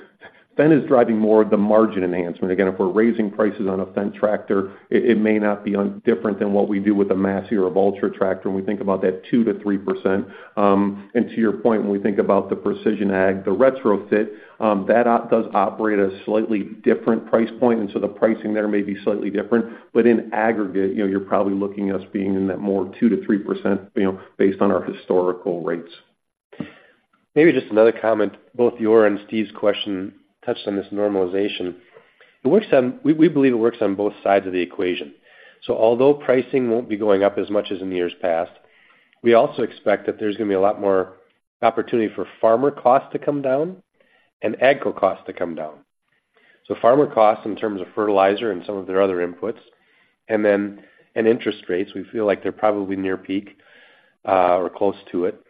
Fendt is driving more of the margin enhancement. Again, if we're raising prices on a Fendt tractor, it may not be different than what we do with a Massey or a Valtra tractor when we think about that 2%-3%. And to your point, when we think about the Precision Ag, the retrofit, that operates at a slightly different price point, and so the pricing there may be slightly different. But in aggregate, you know, you're probably looking at us being in that more 2%-3%, you know, based on our historical rates. Maybe just another comment. Both your and Steve's question touched on this normalization. It works on... We, we believe it works on both sides of the equation. So although pricing won't be going up as much as in the years past, we also expect that there's gonna be a lot more opportunity for farmer costs to come down and AGCO costs to come down. So farmer costs, in terms of fertilizer and some of their other inputs, and then, and interest rates, we feel like they're probably near peak, or close to it....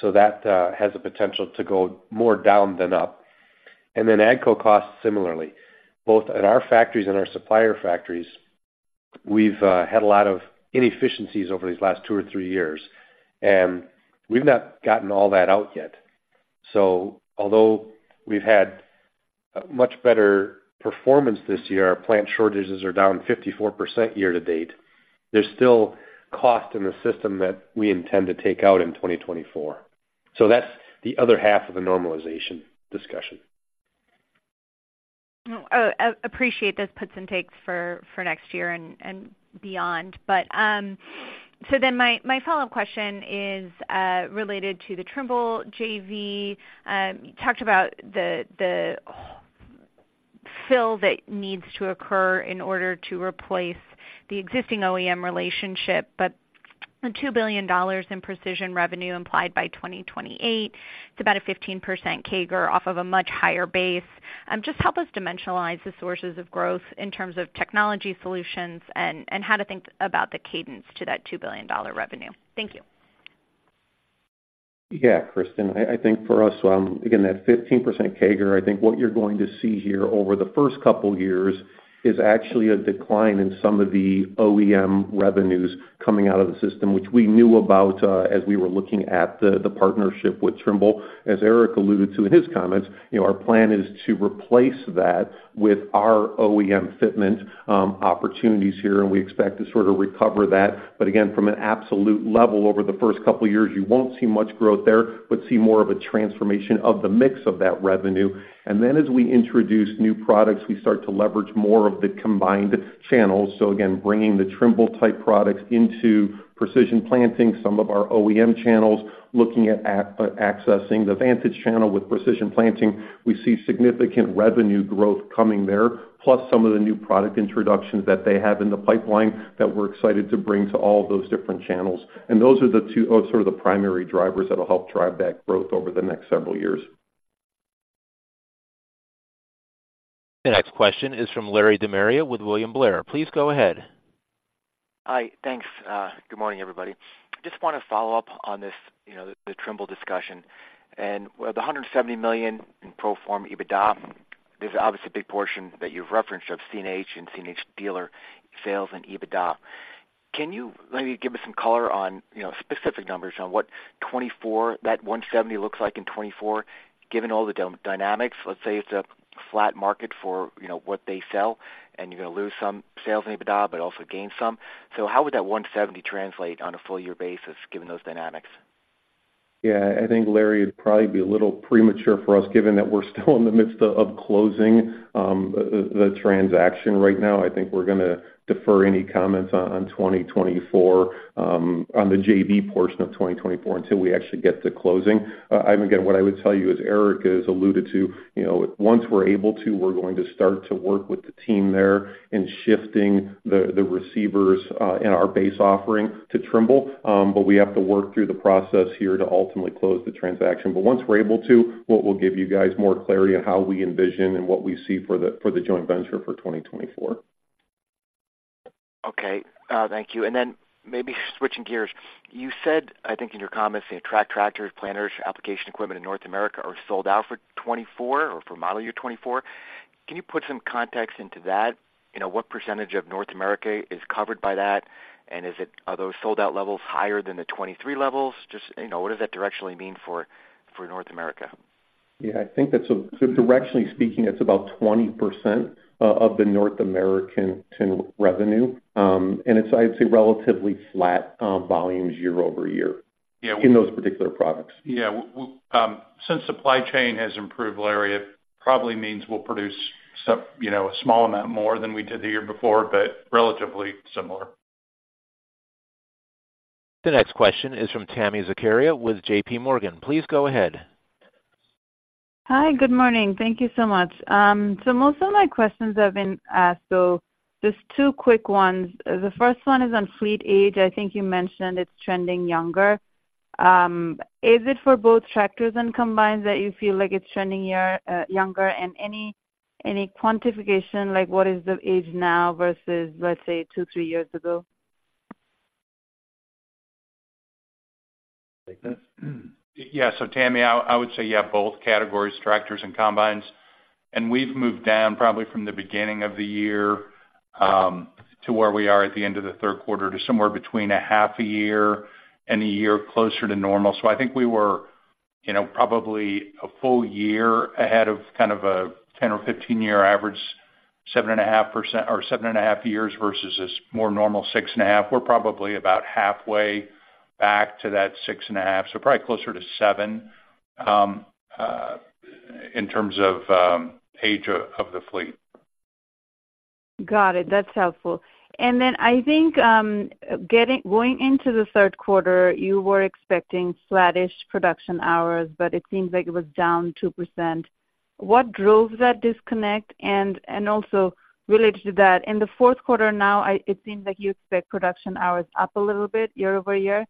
so that has the potential to go more down than up. And then AGCO costs similarly, both at our factories and our supplier factories, we've had a lot of inefficiencies over these last two or three years, and we've not gotten all that out yet. So although we've had a much better performance this year, our plant shortages are down 54% year to date. There's still cost in the system that we intend to take out in 2024. So that's the other half of the normalization discussion. I appreciate this puts and takes for next year and beyond. But so then my follow-up question is related to the Trimble JV. You talked about the fill that needs to occur in order to replace the existing OEM relationship, but the $2 billion in precision revenue implied by 2028, it's about a 15% CAGR off of a much higher base. Just help us dimensionalize the sources of growth in terms of technology solutions and how to think about the cadence to that $2 billion revenue. Thank you. Yeah, Kristen, I, I think for us, again, that 15% CAGR, I think what you're going to see here over the first couple years is actually a decline in some of the OEM revenues coming out of the system, which we knew about, as we were looking at the, the partnership with Trimble. As Eric alluded to in his comments, you know, our plan is to replace that with our OEM fitment opportunities here, and we expect to sort of recover that. But again, from an absolute level, over the first couple of years, you won't see much growth there, but see more of a transformation of the mix of that revenue. And then as we introduce new products, we start to leverage more of the combined channels. So again, bringing the Trimble-type products into Precision Planting, some of our OEM channels, looking at accessing the Vantage channel with Precision Planting. We see significant revenue growth coming there, plus some of the new product introductions that they have in the pipeline that we're excited to bring to all those different channels. And those are the two, sort of the primary drivers that'll help drive that growth over the next several years. The next question is from Larry De Maria with William Blair. Please go ahead. Hi. Thanks. Good morning, everybody. Just want to follow up on this, you know, the Trimble discussion. And with the $170 million in pro forma EBITDA, there's obviously a big portion that you've referenced of CNH and CNH dealer sales and EBITDA. Can you maybe give us some color on, you know, specific numbers on what 2024, that $170 million looks like in 2024, given all the dynamics? Let's say it's a flat market for, you know, what they sell, and you're going to lose some sales in EBITDA, but also gain some. So how would that $170 million translate on a full year basis, given those dynamics? Yeah, I think, Larry, it'd probably be a little premature for us, given that we're still in the midst of closing the transaction right now. I think we're going to defer any comments on 2024 on the JV portion of 2024 until we actually get to closing. And again, what I would tell you, as Eric has alluded to, you know, once we're able to, we're going to start to work with the team there in shifting the receivers and our base offering to Trimble. But we have to work through the process here to ultimately close the transaction. But once we're able to, we'll give you guys more clarity on how we envision and what we see for the joint venture for 2024. Okay. Thank you. And then maybe switching gears. You said, I think in your comments, that track tractors, planters, application equipment in North America are sold out for 2024 or for model year 2024. Can you put some context into that? You know, what percentage of North America is covered by that, and is it—are those sold-out levels higher than the 2023 levels? Just, you know, what does that directionally mean for, for North America? Yeah, I think that's so directionally speaking, it's about 20% of the North American revenue, and it's, I'd say, relatively flat, volumes year-over-year- Yeah In those particular products. Yeah. We, since supply chain has improved, Larry, it probably means we'll produce some, you know, a small amount more than we did the year before, but relatively similar. The next question is from Tami Zakaria with JPMorgan. Please go ahead. Hi, good morning. Thank you so much. So most of my questions have been asked, so just two quick ones. The first one is on fleet age. I think you mentioned it's trending younger. Is it for both tractors and combines that you feel like it's trending younger? And any quantification, like what is the age now versus, let's say, 2-3 years ago? Take this? Yeah. So Tami, I would say, yeah, both categories, tractors and combines, and we've moved down probably from the beginning of the year to where we are at the end of the third quarter to somewhere between a half a year and a year closer to normal. So I think we were, you know, probably a full year ahead of kind of a 10- or 15-year average, 7.5%-- or 7.5 years versus this more normal 6.5. We're probably about halfway back to that 6.5, so probably closer to seven in terms of age of the fleet. Got it. That's helpful. And then I think, going into the third quarter, you were expecting flattish production hours, but it seems like it was down 2%. What drove that disconnect? And, and also related to that, in the fourth quarter now, it seems like you expect production hours up a little bit year-over-year.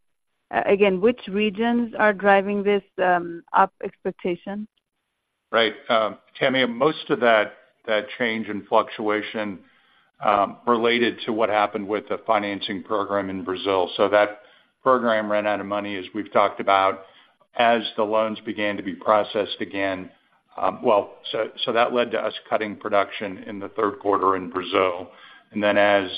Again, which regions are driving this up expectation? Right. Tami, most of that, that change in fluctuation related to what happened with the financing program in Brazil. So that program ran out of money, as we've talked about, as the loans began to be processed again. Well, so that led to us cutting production in the third quarter in Brazil. And then as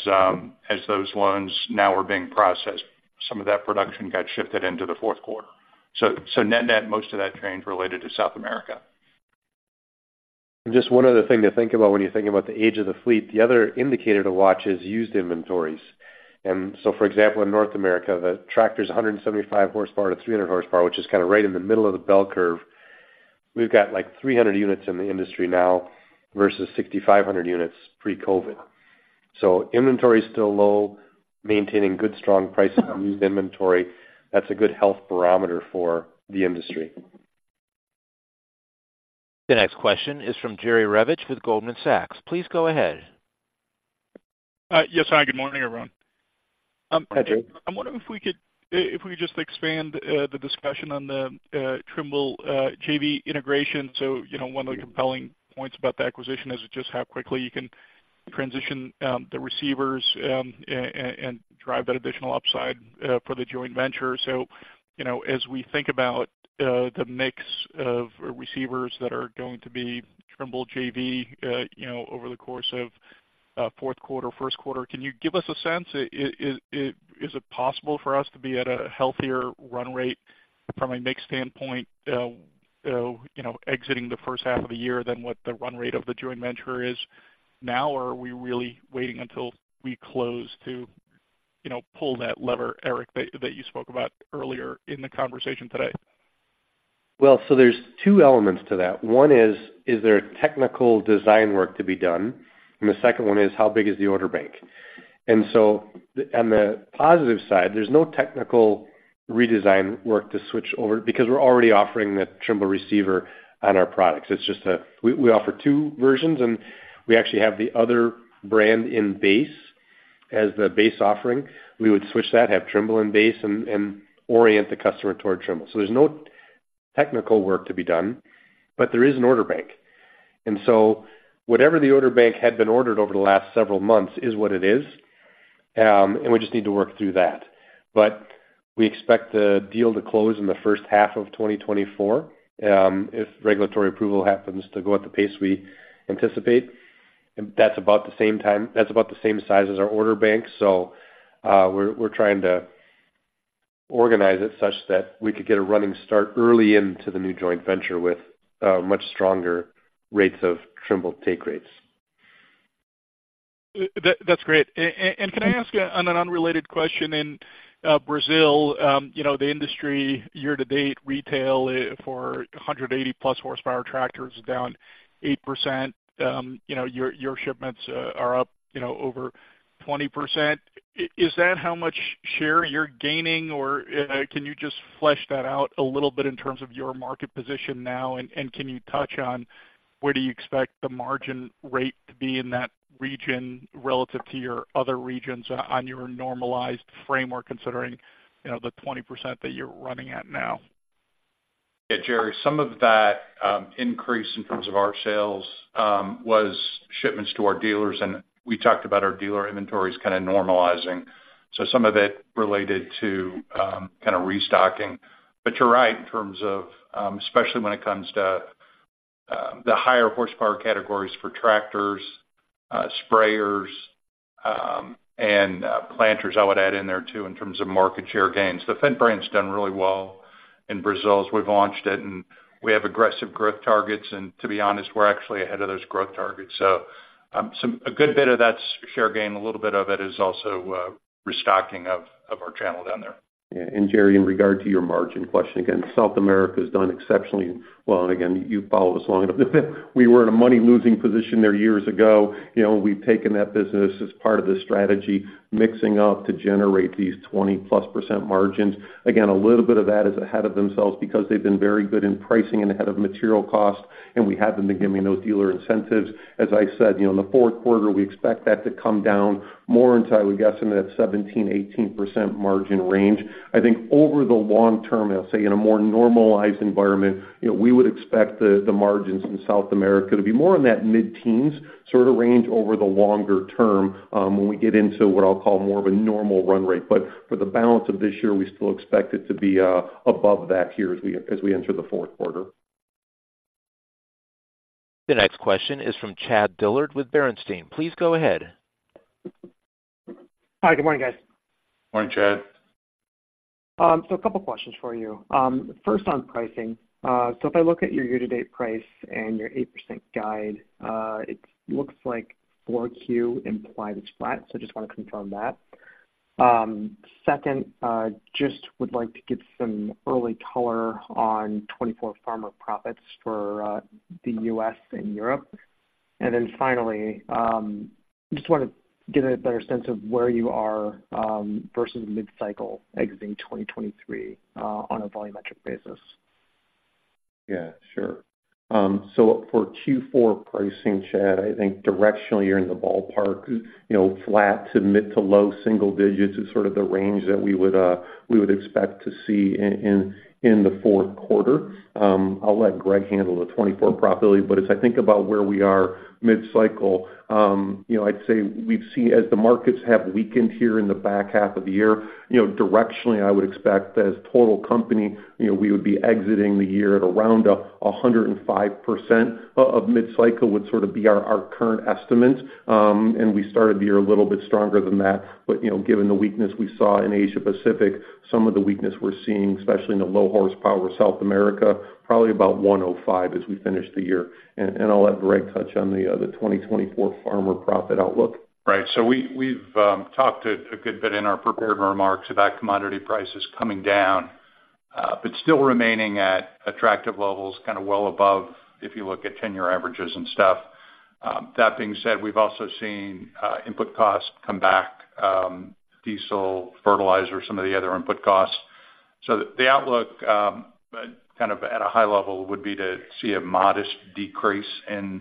those loans now are being processed, some of that production got shifted into the fourth quarter. So net-net, most of that change related to South America. And just one other thing to think about when you're thinking about the age of the fleet, the other indicator to watch is used inventories. And so, for example, in North America, the tractors 175-300 horsepower, which is kind of right in the middle of the bell curve. We've got, like, 300 units in the industry now versus 6,500 units pre-COVID. So inventory is still low, maintaining good, strong pricing of used inventory. That's a good health barometer for the industry. The next question is from Jerry Revich with Goldman Sachs. Please go ahead. Yes, hi, good morning, everyone. Hi, Jerry. I'm wondering if we could just expand the discussion on the Trimble JV integration. So, you know, one of the compelling points about the acquisition is just how quickly you can transition the receivers and drive that additional upside for the joint venture. So, you know, as we think about the mix of receivers that are going to be Trimble JV, you know, over the course of fourth quarter, first quarter, can you give us a sense? Is it possible for us to be at a healthier run rate from a mix standpoint, you know, exiting the first half of the year than what the run rate of the joint venture is now? Or are we really waiting until we close to, you know, pull that lever, Eric, that you spoke about earlier in the conversation today? Well, so there's two elements to that. One is, is there a technical design work to be done? And the second one is, how big is the order bank? And so on the positive side, there's no technical redesign work to switch over because we're already offering the Trimble receiver on our products. It's just, we offer two versions, and we actually have the other brand in base as the base offering. We would switch that, have Trimble in base and orient the customer toward Trimble. So there's no technical work to be done, but there is an order bank. And so whatever the order bank had been ordered over the last several months is what it is, and we just need to work through that. But we expect the deal to close in the first half of 2024, if regulatory approval happens to go at the pace we anticipate. And that's about the same time—that's about the same size as our order bank. So, we're trying to organize it such that we could get a running start early into the new joint venture with much stronger rates of Trimble take rates. That, that's great. And can I ask on an unrelated question in Brazil? You know, the industry year-to-date retail for 180+ horsepower tractors is down 8%. You know, your, your shipments are up, you know, over 20%. Is that how much share you're gaining, or can you just flesh that out a little bit in terms of your market position now? And, and can you touch on where do you expect the margin rate to be in that region relative to your other regions on your normalized framework, considering, you know, the 20% that you're running at now? Yeah, Jerry, some of that increase in terms of our sales was shipments to our dealers, and we talked about our dealer inventories kind of normalizing. So some of it related to kind of restocking. But you're right, in terms of especially when it comes to the higher horsepower categories for tractors, sprayers, and planters, I would add in there, too, in terms of market share gains. The Fendt brand's done really well in Brazil as we've launched it, and we have aggressive growth targets. And to be honest, we're actually ahead of those growth targets. So a good bit of that's share gain. A little bit of it is also restocking of our channel down there. Yeah, and Jerry, in regard to your margin question, again, South America has done exceptionally well. And again, you've followed us long enough. We were in a money-losing position there years ago. You know, we've taken that business as part of the strategy, mixing up to generate these 20+% margins. Again, a little bit of that is ahead of themselves because they've been very good in pricing and ahead of material costs, and we haven't been giving those dealer incentives. As I said, you know, in the fourth quarter, we expect that to come down more into, I would guess, into that 17%-18% margin range. I think over the long term, and I'll say in a more normalized environment, you know, we would expect the margins in South America to be more in that mid-teens sort of range over the longer term, when we get into what I'll call more of a normal run rate. But for the balance of this year, we still expect it to be above that here as we enter the fourth quarter. The next question is from Chad Dillard with Bernstein. Please go ahead. Hi, good morning, guys. Morning, Chad. So a couple questions for you. First on pricing. So if I look at your year-to-date price and your 8% guide, it looks like 4Q implied it's flat. So just want to confirm that. Second, just would like to get some early color on 2024 farmer profits for the U.S. and Europe. And then finally, just want to get a better sense of where you are versus mid-cycle exiting 2023 on a volumetric basis. Yeah, sure. So for Q4 pricing, Chad, I think directionally, you're in the ballpark. You know, flat to mid- to low-single digits is sort of the range that we would expect to see in the fourth quarter. I'll let Greg handle the 2024 profitability. But as I think about where we are mid-cycle, you know, I'd say we've seen as the markets have weakened here in the back half of the year, you know, directionally, I would expect as total company, you know, we would be exiting the year at around 105% of mid-cycle, would sort of be our current estimate. And we started the year a little bit stronger than that. But, you know, given the weakness we saw in Asia Pacific, some of the weakness we're seeing, especially in the low horsepower South America, probably about 105 as we finish the year. And I'll let Greg touch on the 2024 farmer profit outlook. Right. So we've talked a good bit in our prepared remarks about commodity prices coming down, but still remaining at attractive levels, kind of well above if you look at 10-year averages and stuff. That being said, we've also seen input costs come back, diesel, fertilizer, some of the other input costs. So the outlook, kind of at a high level, would be to see a modest decrease in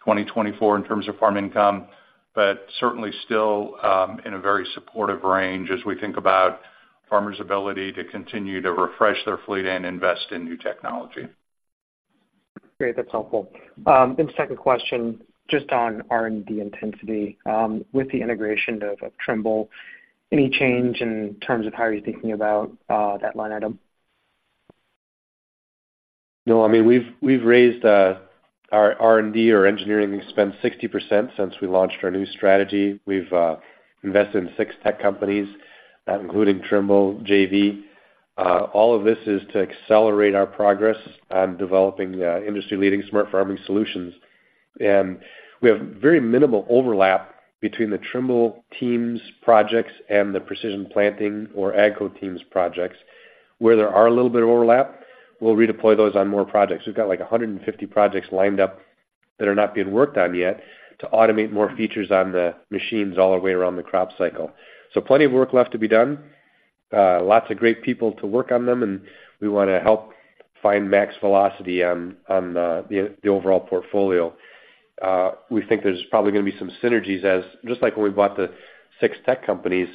2024 in terms of farm income, but certainly still in a very supportive range as we think about farmers' ability to continue to refresh their fleet and invest in new technology. Great. That's helpful. Then the second question, just on R&D intensity. With the integration of, of Trimble, any change in terms of how you're thinking about, that line item? No, I mean, we've, we've raised our R&D or engineering spend 60% since we launched our new strategy. We've invested in six tech companies, including Trimble, JV. All of this is to accelerate our progress on developing the industry-leading smart farming solutions. And we have very minimal overlap between the Trimble teams' projects and the Precision Planting or AGCO teams' projects. Where there are a little bit of overlap, we'll redeploy those on more projects. We've got, like, 150 projects lined up that are not being worked on yet to automate more features on the machines all the way around the crop cycle. So plenty of work left to be done, lots of great people to work on them, and we want to help find max velocity on the overall portfolio. We think there's probably going to be some synergies as just like when we bought the six tech companies,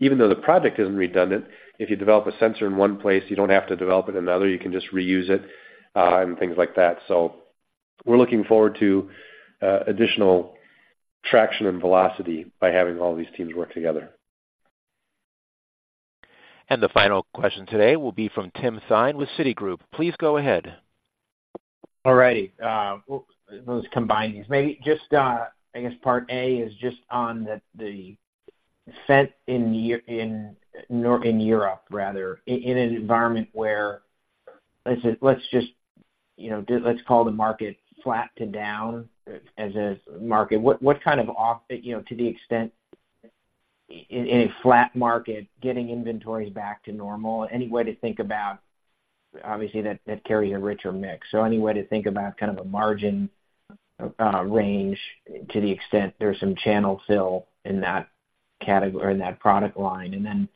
even though the project isn't redundant, if you develop a sensor in one place, you don't have to develop it another. You can just reuse it, and things like that. So we're looking forward to additional traction and velocity by having all these teams work together. The final question today will be from Tim Thein with Citigroup. Please go ahead. All righty. Well, let's combine these. Maybe just, I guess part A is just on the Fendt in Europe, rather. In an environment where, let's just, you know, let's call the market flat to down as a market. What kind of off? You know, to the extent in a flat market, getting inventories back to normal, any way to think about—obviously, that carries a richer mix. So any way to think about kind of a margin range, to the extent there's some channel fill in that category, or in that product line? And then,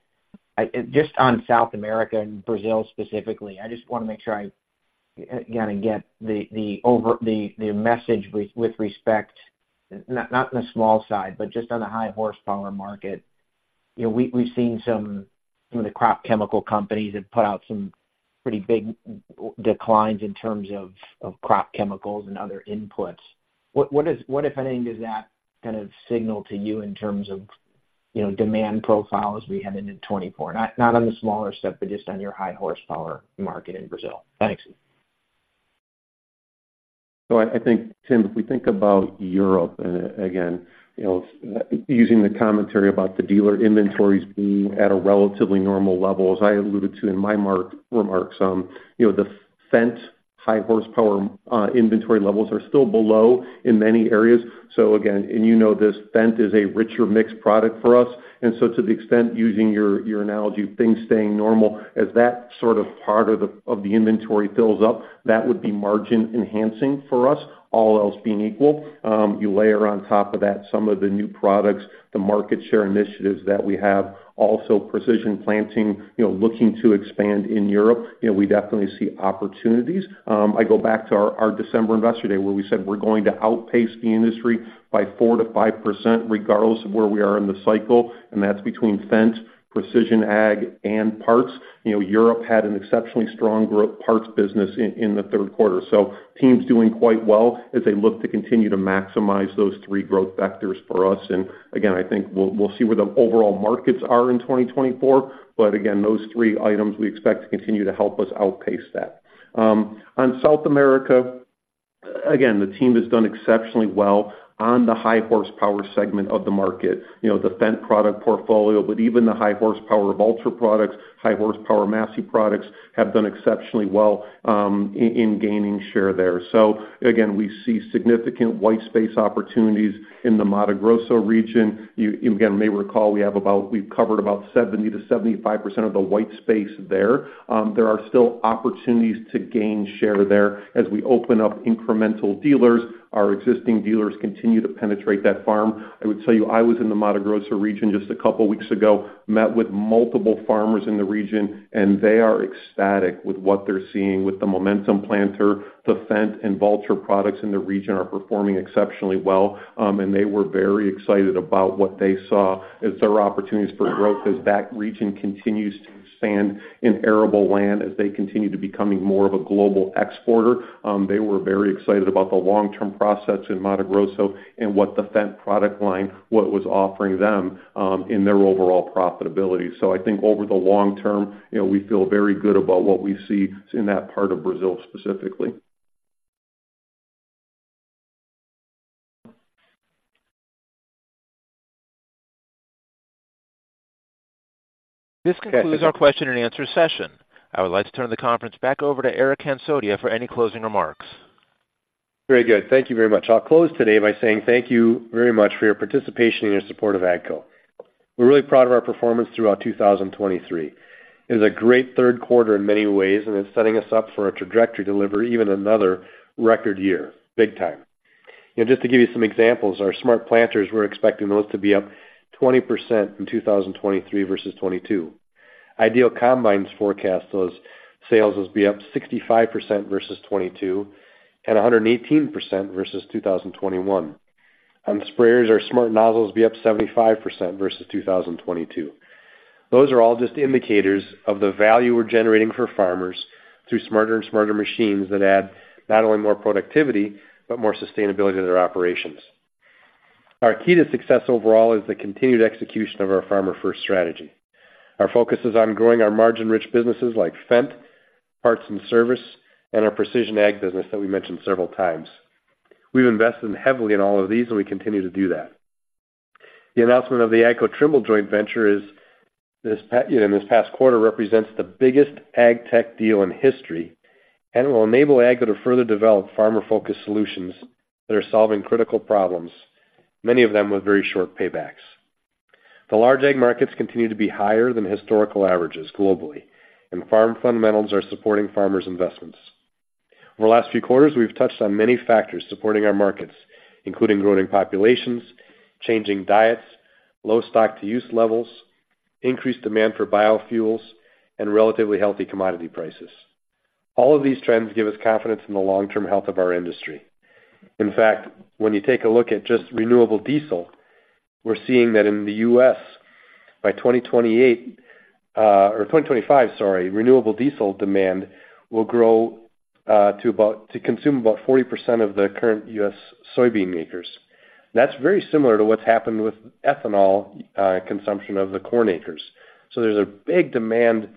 just on South America and Brazil specifically, I just want to make sure I kind of get the overall message with respect, not on the small side, but just on the high horsepower market. You know, we've seen some of the crop chemical companies have put out some pretty big declines in terms of crop chemicals and other inputs. What, if anything, does that kind of signal to you in terms of, you know, demand profile as we head into 2024? Not on the smaller stuff, but just on your high horsepower market in Brazil. Thanks. So I think, Tim, if we think about Europe, and again, you know, using the commentary about the dealer inventories being at a relatively normal level, as I alluded to in my remarks, you know, the Fendt high horsepower inventory levels are still below in many areas. So again, and you know this, Fendt is a richer mixed product for us. And so to the extent, using your analogy of things staying normal, as that sort of part of the inventory fills up, that would be margin-enhancing for us, all else being equal. You layer on top of that some of the new products, the market share initiatives that we have, also Precision Planting, you know, looking to expand in Europe, you know, we definitely see opportunities. I go back to our December Investor Day, where we said we're going to outpace the industry by 4%-5%, regardless of where we are in the cycle, and that's between Fendt, Precision Ag, and Parts. You know, Europe had an exceptionally strong growth Parts business in the third quarter. So teams doing quite well as they look to continue to maximize those three growth vectors for us. And again, I think we'll see where the overall markets are in 2024. But again, those three items we expect to continue to help us outpace that. On South America- Again, the team has done exceptionally well on the high horsepower segment of the market. You know, the Fendt product portfolio, but even the high horsepower Valtra products, high horsepower Massey products, have done exceptionally well in gaining share there. So again, we see significant white space opportunities in the Mato Grosso region. You again may recall, we have about—we've covered about 70%-75% of the white space there. There are still opportunities to gain share there as we open up incremental dealers. Our existing dealers continue to penetrate that farm. I would tell you, I was in the Mato Grosso region just a couple weeks ago, met with multiple farmers in the region, and they are ecstatic with what they're seeing with the Momentum Planter. The Fendt and Valtra products in the region are performing exceptionally well, and they were very excited about what they saw as there are opportunities for growth as that region continues to expand in arable land, as they continue to becoming more of a global exporter. They were very excited about the long-term process in Mato Grosso and what the Fendt product line, what was offering them, in their overall profitability. So I think over the long term, you know, we feel very good about what we see in that part of Brazil, specifically. This concludes our question and answer session. I would like to turn the conference back over to Eric Hansotia for any closing remarks. Very good. Thank you very much. I'll close today by saying thank you very much for your participation and your support of AGCO. We're really proud of our performance throughout 2023. It is a great third quarter in many ways, and it's setting us up for a trajectory to deliver even another record year, big time. Just to give you some examples, our smart planters, we're expecting those to be up 20% in 2023 versus 2022. IDEAL combines forecast those sales will be up 65% versus 2022, and 118% versus 2021. On sprayers, our smart nozzles be up 75% versus 2022. Those are all just indicators of the value we're generating for farmers through smarter and smarter machines that add not only more productivity, but more sustainability to their operations. Our key to success overall is the continued execution of our farmer-first strategy. Our focus is on growing our margin-rich businesses like Fendt, Parts and Service, and our Precision Ag business that we mentioned several times. We've invested heavily in all of these, and we continue to do that. The announcement of the AGCO Trimble joint venture was in this past quarter, represents the biggest ag tech deal in history and will enable AGCO to further develop farmer-focused solutions that are solving critical problems, many of them with very short paybacks. The large ag markets continue to be higher than historical averages globally, and farm fundamentals are supporting farmers' investments. Over the last few quarters, we've touched on many factors supporting our markets, including growing populations, changing diets, low stock-to-use levels, increased demand for biofuels, and relatively healthy commodity prices. All of these trends give us confidence in the long-term health of our industry. In fact, when you take a look at just renewable diesel, we're seeing that in the U.S., by 2028, or 2025, sorry, renewable diesel demand will grow to about to consume about 40% of the current U.S. soybean acres. That's very similar to what's happened with ethanol consumption of the corn acres. So there's a big demand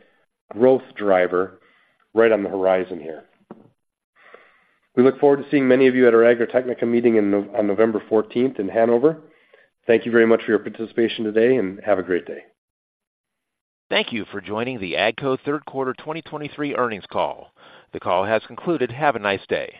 growth driver right on the horizon here. We look forward to seeing many of you at our Agritechnica meeting on November fourteenth in Hanover. Thank you very much for your participation today, and have a great day. Thank you for joining the AGCO third quarter 2023 earnings call. The call has concluded. Have a nice day.